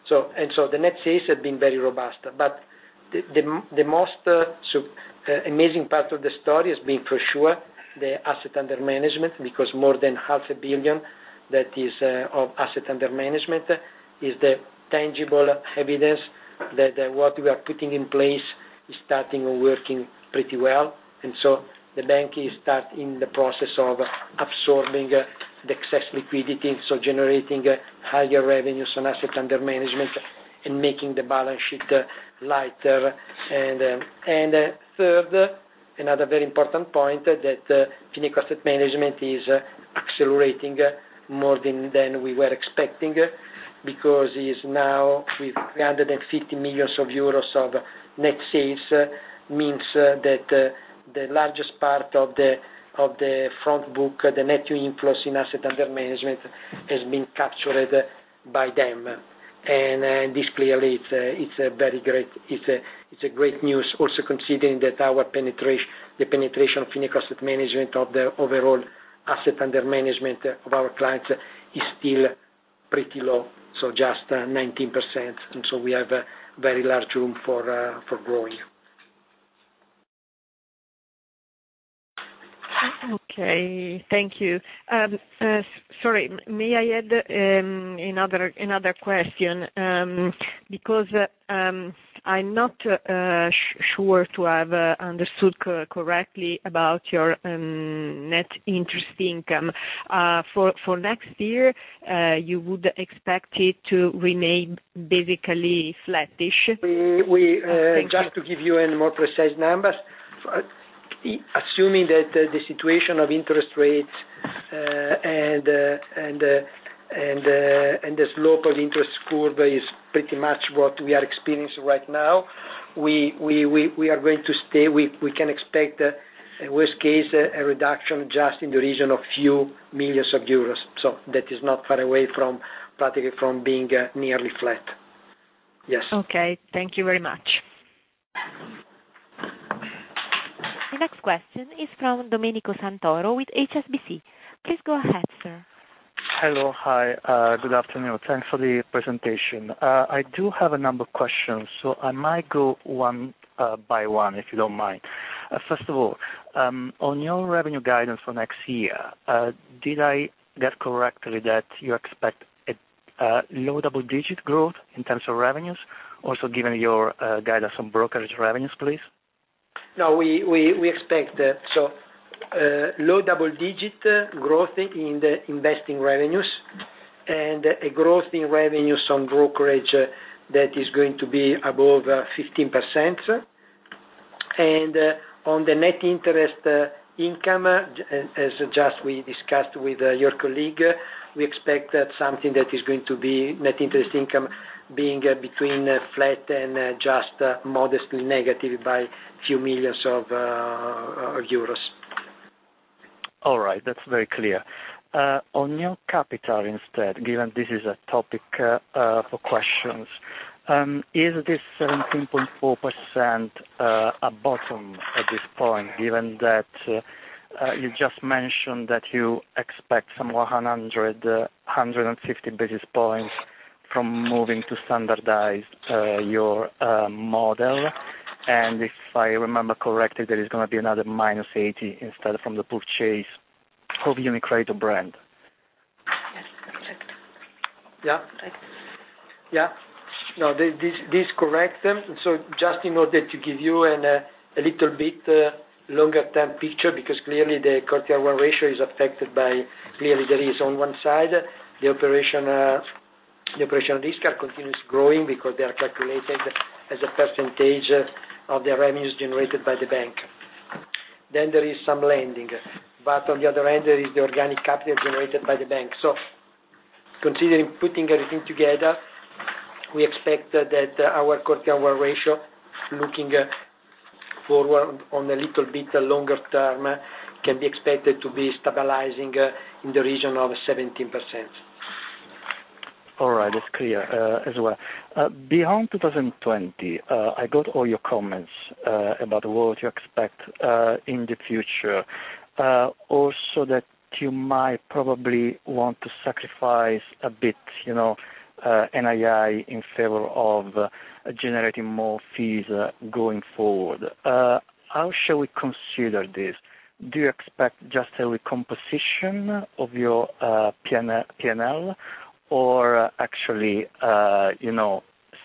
The net sales have been very robust. The most amazing part of the story has been for sure the asset under management, because more than EUR half a billion that is of asset under management is the tangible evidence that what we are putting in place is starting and working pretty well. The bank is starting the process of absorbing the excess liquidity, so generating higher revenues on asset under management and making the balance sheet lighter. Third, another very important point that Fineco Asset Management is accelerating more than we were expecting because is now with 350 million euros of net sales means that the largest part of the front book, the net new inflows in asset under management has been captured by them. This clearly it's a great news also considering that the penetration of Fineco Asset Management of the overall asset under management of our clients is still pretty low, so just 19%. We have a very large room for growing. Okay. Thank you. Sorry, may I add another question? I'm not sure to have understood correctly about your net interest income. For next year, you would expect it to remain basically flattish? Thank you. Just to give you a more precise number. Assuming that the situation of interest rates, and the slope of interest curve is pretty much what we are experiencing right now. We can expect worst case, a reduction just in the region of few millions of EUR. That is not far away from practically from being nearly flat. Yes. Okay. Thank you very much. The next question is from Domenico Santoro with HSBC. Please go ahead, sir. Hello. Hi, good afternoon. Thanks for the presentation. I do have a number of questions, so I might go one by one, if you don't mind. First of all, on your revenue guidance for next year, did I get correctly that you expect a low double-digit growth in terms of revenues, also given your guidance on brokerage revenues, please? We expect low double-digit growth in the investing revenues and a growth in revenues on brokerage that is going to be above 15%. On the net interest income, as just we discussed with your colleague, we expect that something that is going to be net interest income being between flat and just modestly negative by few millions of EUR. All right. That's very clear. On your capital instead, given this is a topic for questions. Is this 17.4% a bottom at this point, given that you just mentioned that you expect some 100, 150 basis points from moving to standardized your model. If I remember correctly, there is going to be another -80 instead from the purchase of UniCredit brand. Yes. That's correct. No, this is correct. Just in order to give you a little bit longer term picture, because clearly the Q1 ratio is affected by clearly there is on one side, the operational risk continues growing because they are calculated as a % of the revenues generated by the bank. There is some lending, but on the other end, there is the organic capital generated by the bank. Considering putting everything together, we expect that our core tier one ratio looking forward on a little bit longer term, can be expected to be stabilizing in the region of 17%. All right. It's clear as well. Beyond 2020, I got all your comments about what you expect in the future. Also that you might probably want to sacrifice a bit NII in favor of generating more fees going forward. How shall we consider this? Do you expect just a recomposition of your P&L, or actually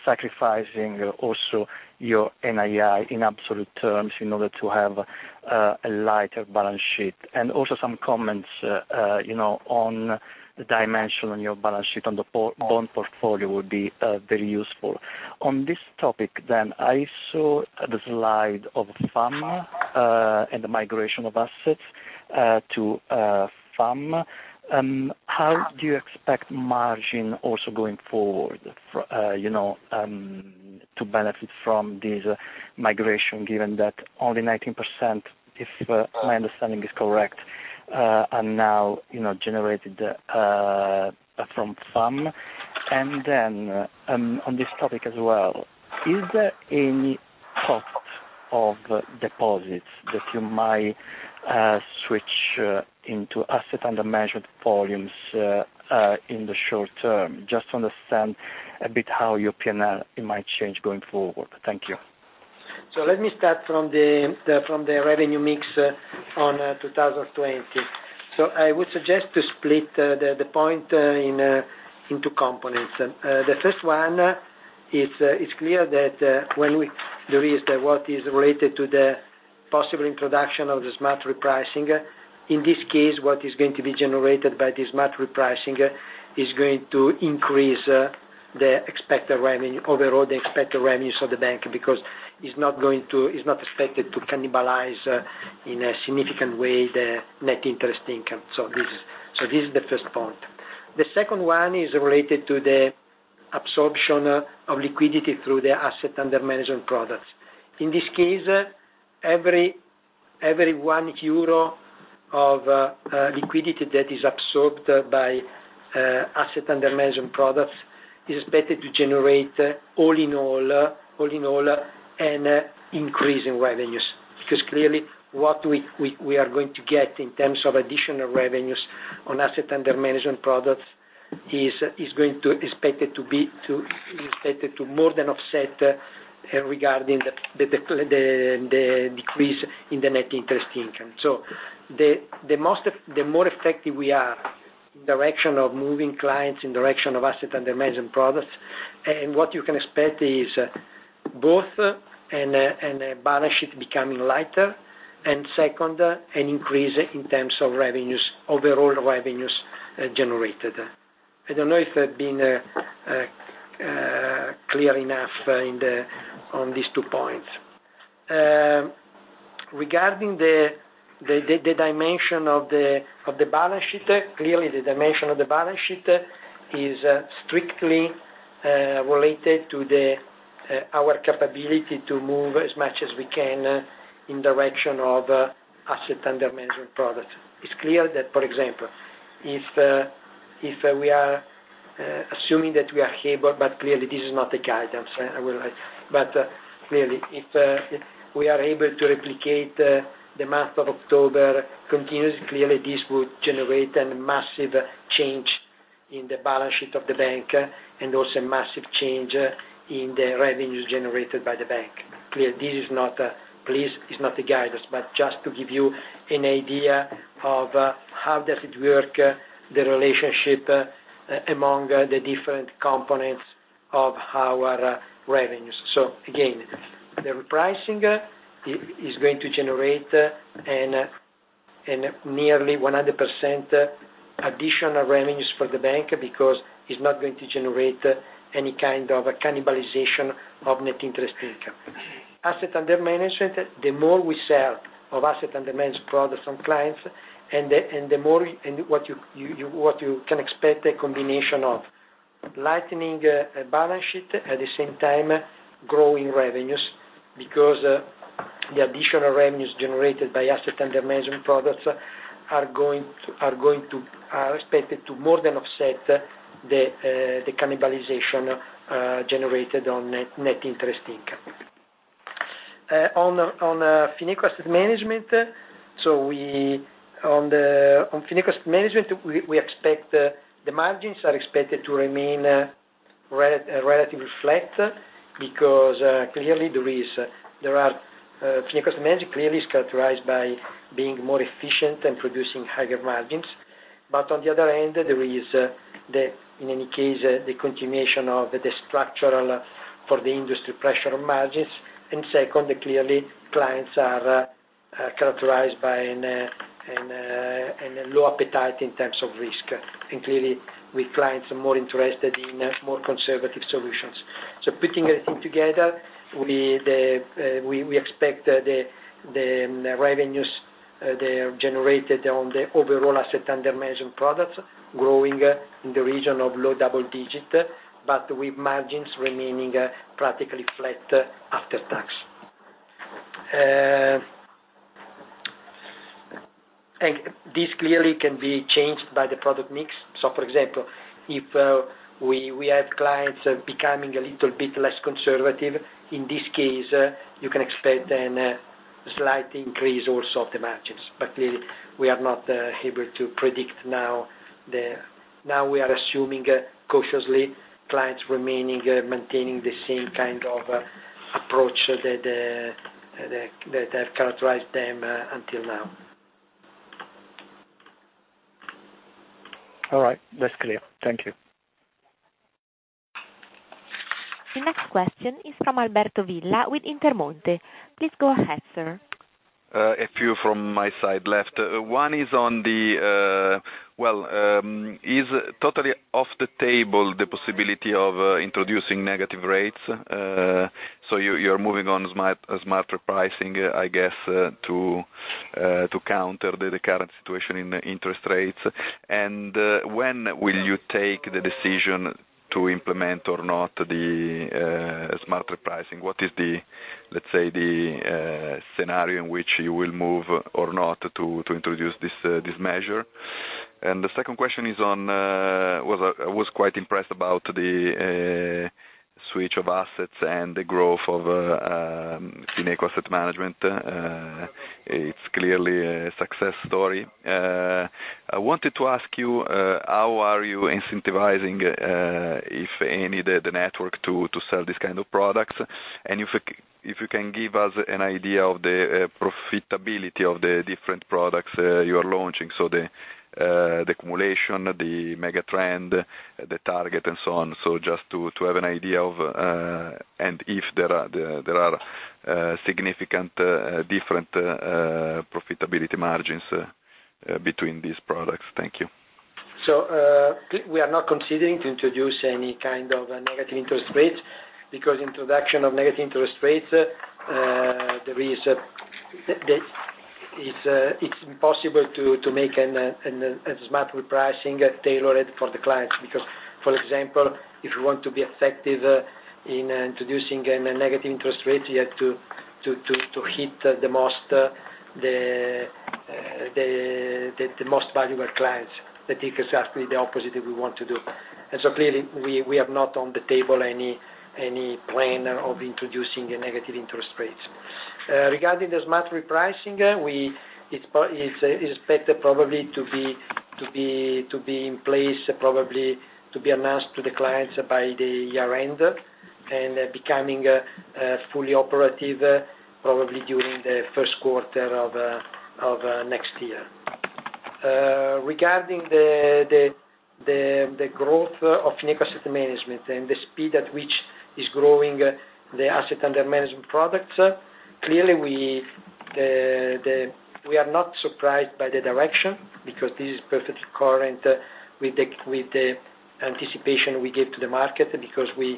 sacrificing also your NII in absolute terms in order to have a lighter balance sheet? Also some comments on the dimension on your balance sheet on the bond portfolio would be very useful. On this topic, I saw the slide of FAM and the migration of assets to FAM. How do you expect margin also going forward to benefit from this migration, given that only 19%, if my understanding is correct, are now generated from FAM? On this topic as well, is there any thought of deposits that you might switch into asset under management volumes in the short term? Just to understand a bit how your P&L might change going forward. Thank you. Let me start from the revenue mix on 2020. I would suggest to split the point into components. The first one, it's clear that there is what is related to the possible introduction of the smart repricing. In this case, what is going to be generated by this smart repricing is going to increase the overall expected revenues of the bank, because it's not expected to cannibalize in a significant way the net interest income. This is the first point. The second one is related to the absorption of liquidity through the asset under management products. In this case, every 1 euro of liquidity that is absorbed by asset under management products is expected to generate, all in all, an increase in revenues. Clearly, what we are going to get in terms of additional revenues on asset under management products is expected to more than offset regarding the decrease in the net interest income. The more effective we are in direction of moving clients in direction of asset under management products, and what you can expect is both a balance sheet becoming lighter, and second, an increase in terms of overall revenues generated. I don't know if I've been clear enough on these two points. Regarding the dimension of the balance sheet, clearly the dimension of the balance sheet is strictly related to our capability to move as much as we can in direction of asset under management products. It's clear that, for example, if we are assuming that we are able, but clearly this is not a guidance, but clearly if we are able to replicate the month of October continuously, clearly this would generate a massive change in the balance sheet of the bank, and also a massive change in the revenues generated by the bank. Please, this is not a guidance, but just to give you an idea of how does it work, the relationship among the different components of our revenues. Again, the repricing is going to generate a nearly 100% additional revenues for the bank, because it's not going to generate any kind of cannibalization of net interest income. Asset under management, the more we sell of asset under management products from clients, what you can expect a combination of lightening balance sheet, at the same time growing revenues, because the additional revenues generated by asset under management products are expected to more than offset the cannibalization generated on net interest income. On Fineco Asset Management, we expect the margins are expected to remain relatively flat, Fineco Asset Management clearly is characterized by being more efficient and producing higher margins. On the other hand, there is, in any case, the continuation of the structural for the industry pressure on margins. Second, clearly, clients are characterized by a low appetite in terms of risk. Clearly with clients more interested in more conservative solutions. Putting everything together, we expect the revenues that are generated on the overall asset under management products growing in the region of low double digit, but with margins remaining practically flat after tax. This clearly can be changed by the product mix. For example, if we have clients becoming a little bit less conservative, in this case, you can expect a slight increase also of the margins. Clearly, we are not able to predict now. Now we are assuming cautiously clients remaining, maintaining the same kind of approach that have characterized them until now. All right. That's clear. Thank you. The next question is from Alberto Villa with Intermonte. Please go ahead, sir. A few from my side left. One is on, is it totally off the table the possibility of introducing negative rates? You're moving on smart repricing, I guess, to counter the current situation in interest rates. When will you take the decision to implement or not the smart repricing? What is the, let's say, scenario in which you will move or not to introduce this measure? The second question is on, I was quite impressed about the switch of assets and the growth of Fineco Asset Management. It's clearly a success story. I wanted to ask you, how are you incentivizing, if any, the network to sell this kind of products? If you can give us an idea of the profitability of the different products you are launching. The accumulation, the Megatrends, the target, and so on. Just to have an idea of, and if there are significant different profitability margins between these products. Thank you. We are not considering to introduce any kind of negative interest rates, because introduction of negative interest rates, it's impossible to make a smart repricing tailored for the clients. For example, if you want to be effective in introducing a negative interest rate, you have to hit the most valuable clients. That is exactly the opposite we want to do. Clearly, we have not on the table any plan of introducing negative interest rates. Regarding the smart repricing, it is better probably to be in place, probably to be announced to the clients by the year-end and becoming fully operative probably during the first quarter of next year. Regarding the growth of Fineco Asset Management and the speed at which is growing the asset under management products, clearly we are not surprised by the direction because this is perfectly current with the anticipation we give to the market because to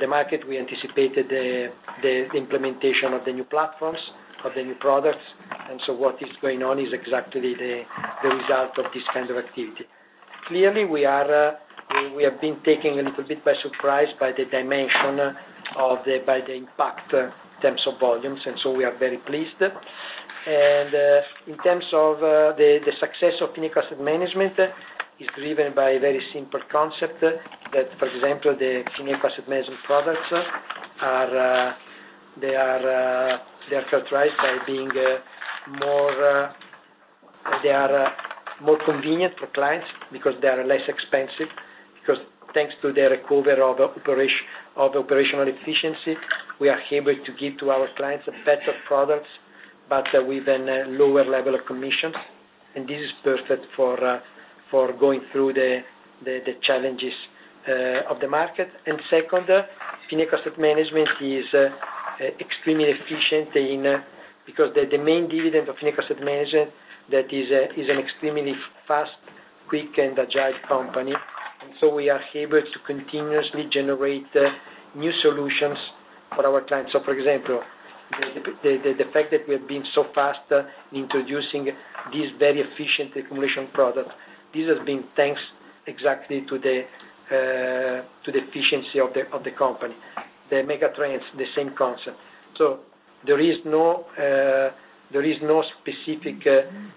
the market we anticipated the implementation of the new platforms, of the new products. What is going on is exactly the result of this kind of activity. Clearly, we have been taken a little bit by surprise by the dimension, by the impact in terms of volumes, and so we are very pleased. In terms of the success of Fineco Asset Management is driven by a very simple concept that, for example, the Fineco Asset Management products they are characterized by being more convenient for clients because they are less expensive. Thanks to the recovery of operational efficiency, we are able to give to our clients better products, but with a lower level of commissions. This is perfect for going through the challenges of the market. Second, Fineco Asset Management is extremely efficient because the main dividend of Fineco Asset Management that is an extremely fast, quick, and agile company. We are able to continuously generate new solutions for our clients. For example, the fact that we have been so fast in introducing this very efficient accumulation product, this has been thanks exactly to the efficiency of the company. The Megatrends is the same concept. There is no specific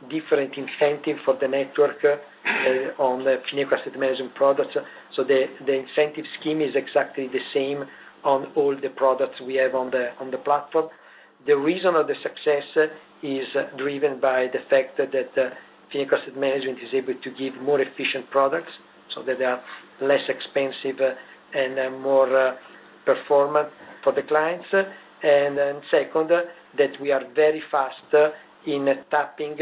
different incentive for the network on the Fineco Asset Management products. The incentive scheme is exactly the same on all the products we have on the platform. The reason of the success is driven by the fact that Fineco Asset Management is able to give more efficient products, so that they are less expensive and more performant for the clients. Second, that we are very fast in tapping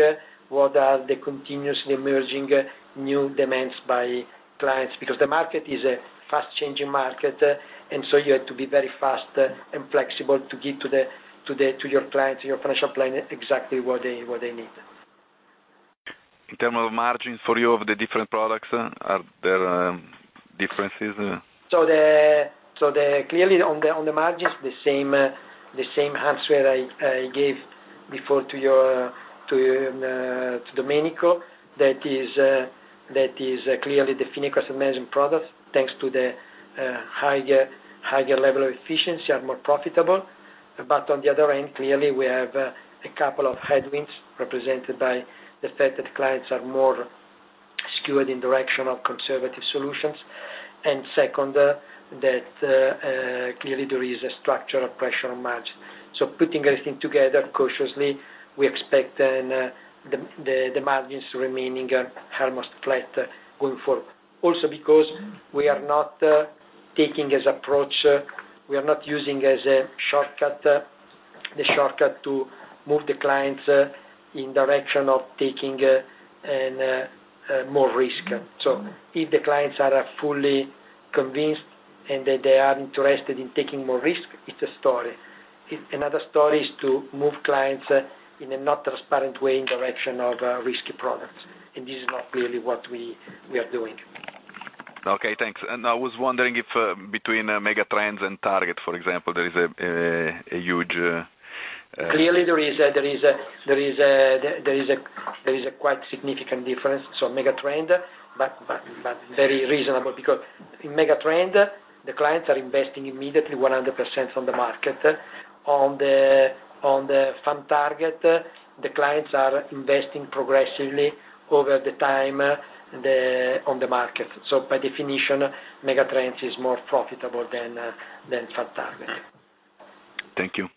what are the continuously emerging new demands by clients because the market is a fast-changing market. You have to be very fast and flexible to give to your clients, to your financial planner, exactly what they need. In terms of margins for you of the different products, are there differences? Clearly on the margins, the same answer I gave before to Domenico. That is, clearly the Fineco Asset Management products, thanks to the higher level of efficiency, are more profitable. On the other end, clearly we have a couple of headwinds represented by the fact that clients are more skewed in the direction of conservative solutions. Second, that clearly there is a structural pressure on margin. Putting everything together cautiously, we expect the margins remaining almost flat going forward. Because we are not taking as approach, we are not using the shortcut to move the clients in direction of taking more risk. If the clients are fully convinced, and that they are interested in taking more risk, it's a story. Another story is to move clients in a not transparent way in direction of risky products. This is not clearly what we are doing. Okay, thanks. I was wondering if between Megatrends and Target, for example, there is a huge. There is a quite significant difference from Megatrends, but very reasonable because in Megatrends, the clients are investing immediately 100% on the market. On the Fund Target, the clients are investing progressively over the time on the market. By definition, Megatrends is more profitable than Fund Target. Thank you.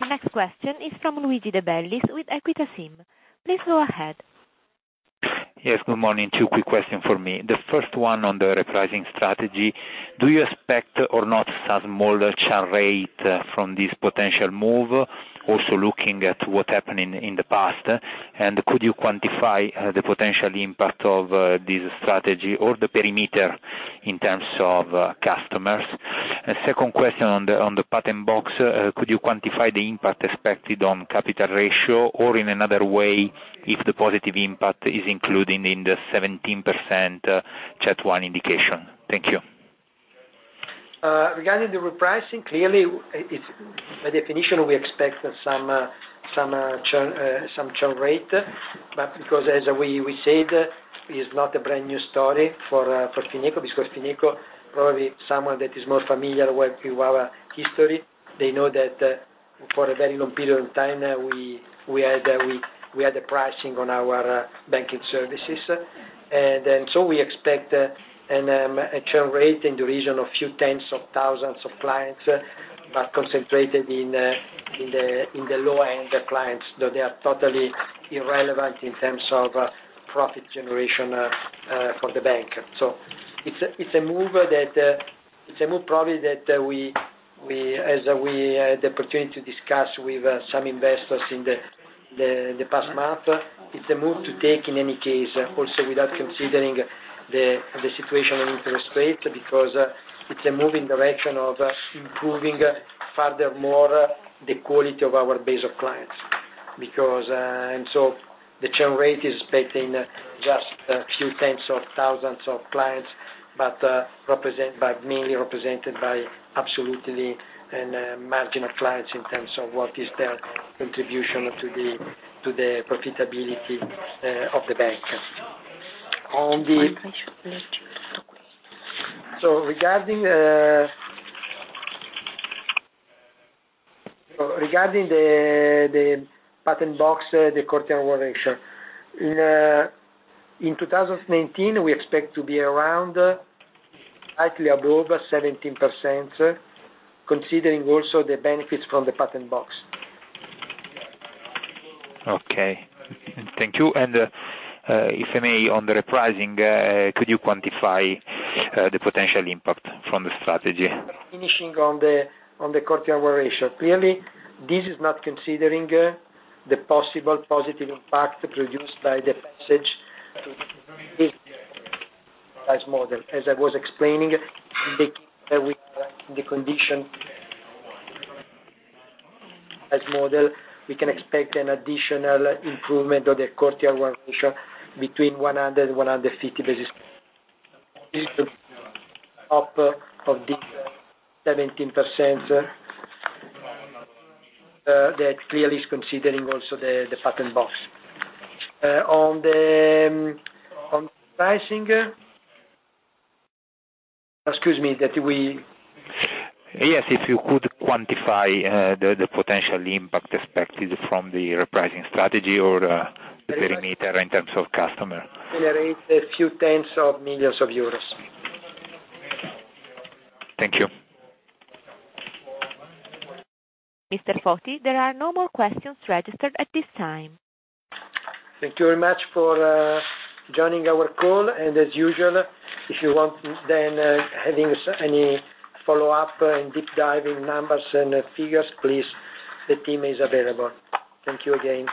The next question is from Luigi De Bellis with Equita SIM. Please go ahead. Yes, good morning. Two quick questions for me. The first one on the repricing strategy, do you expect or not some small churn rate from this potential move, also looking at what happened in the past? Could you quantify the potential impact of this strategy or the perimeter in terms of customers? Second question on the Patent Box, could you quantify the impact expected on capital ratio, or in another way, if the positive impact is included in the 17% CET1 indication? Thank you. Regarding the repricing, clearly, by definition, we expect some churn rate. Because as we said, it's not a brand-new story for Fineco, because Fineco, probably someone that is more familiar with our history, they know that for a very long period of time, we had the pricing on our banking services. We expect a churn rate in the region of few tens of thousands of clients, but concentrated in the low-end clients, though they are totally irrelevant in terms of profit generation for the bank. It's a move probably that, as we had the opportunity to discuss with some investors in the past month, it's a move to take in any case, also without considering the situation of interest rate, because it's a move in direction of improving furthermore the quality of our base of clients. The churn rate is expecting just a few tens of thousands of clients, but mainly represented by absolutely marginal clients in terms of what is their contribution to the profitability of the bank. Regarding the Patent Box, the CET1 ratio in 2019, we expect to be around slightly above 17%, considering also the benefits from the Patent Box. Okay. Thank you. If I may, on the repricing, could you quantify the potential impact from the strategy? Finishing on the CET1 ratio. Clearly, this is not considering the possible positive impact produced by the standardized approach model As I was explaining, the condition ASA model, we can expect an additional improvement of the CET1 ratio between 100 and 150 basis points of the 17% that clearly is considering also the Patent Box. On repricing. Excuse me. Yes, if you could quantify the potential impact expected from the repricing strategy or the perimeter in terms of customer. Generate a few tens of millions of euros. Thank you. Mr. Foti, there are no more questions registered at this time. Thank you very much for joining our call, and as usual, if you want then having any follow-up and deep dive in numbers and figures, please, the team is available. Thank you again.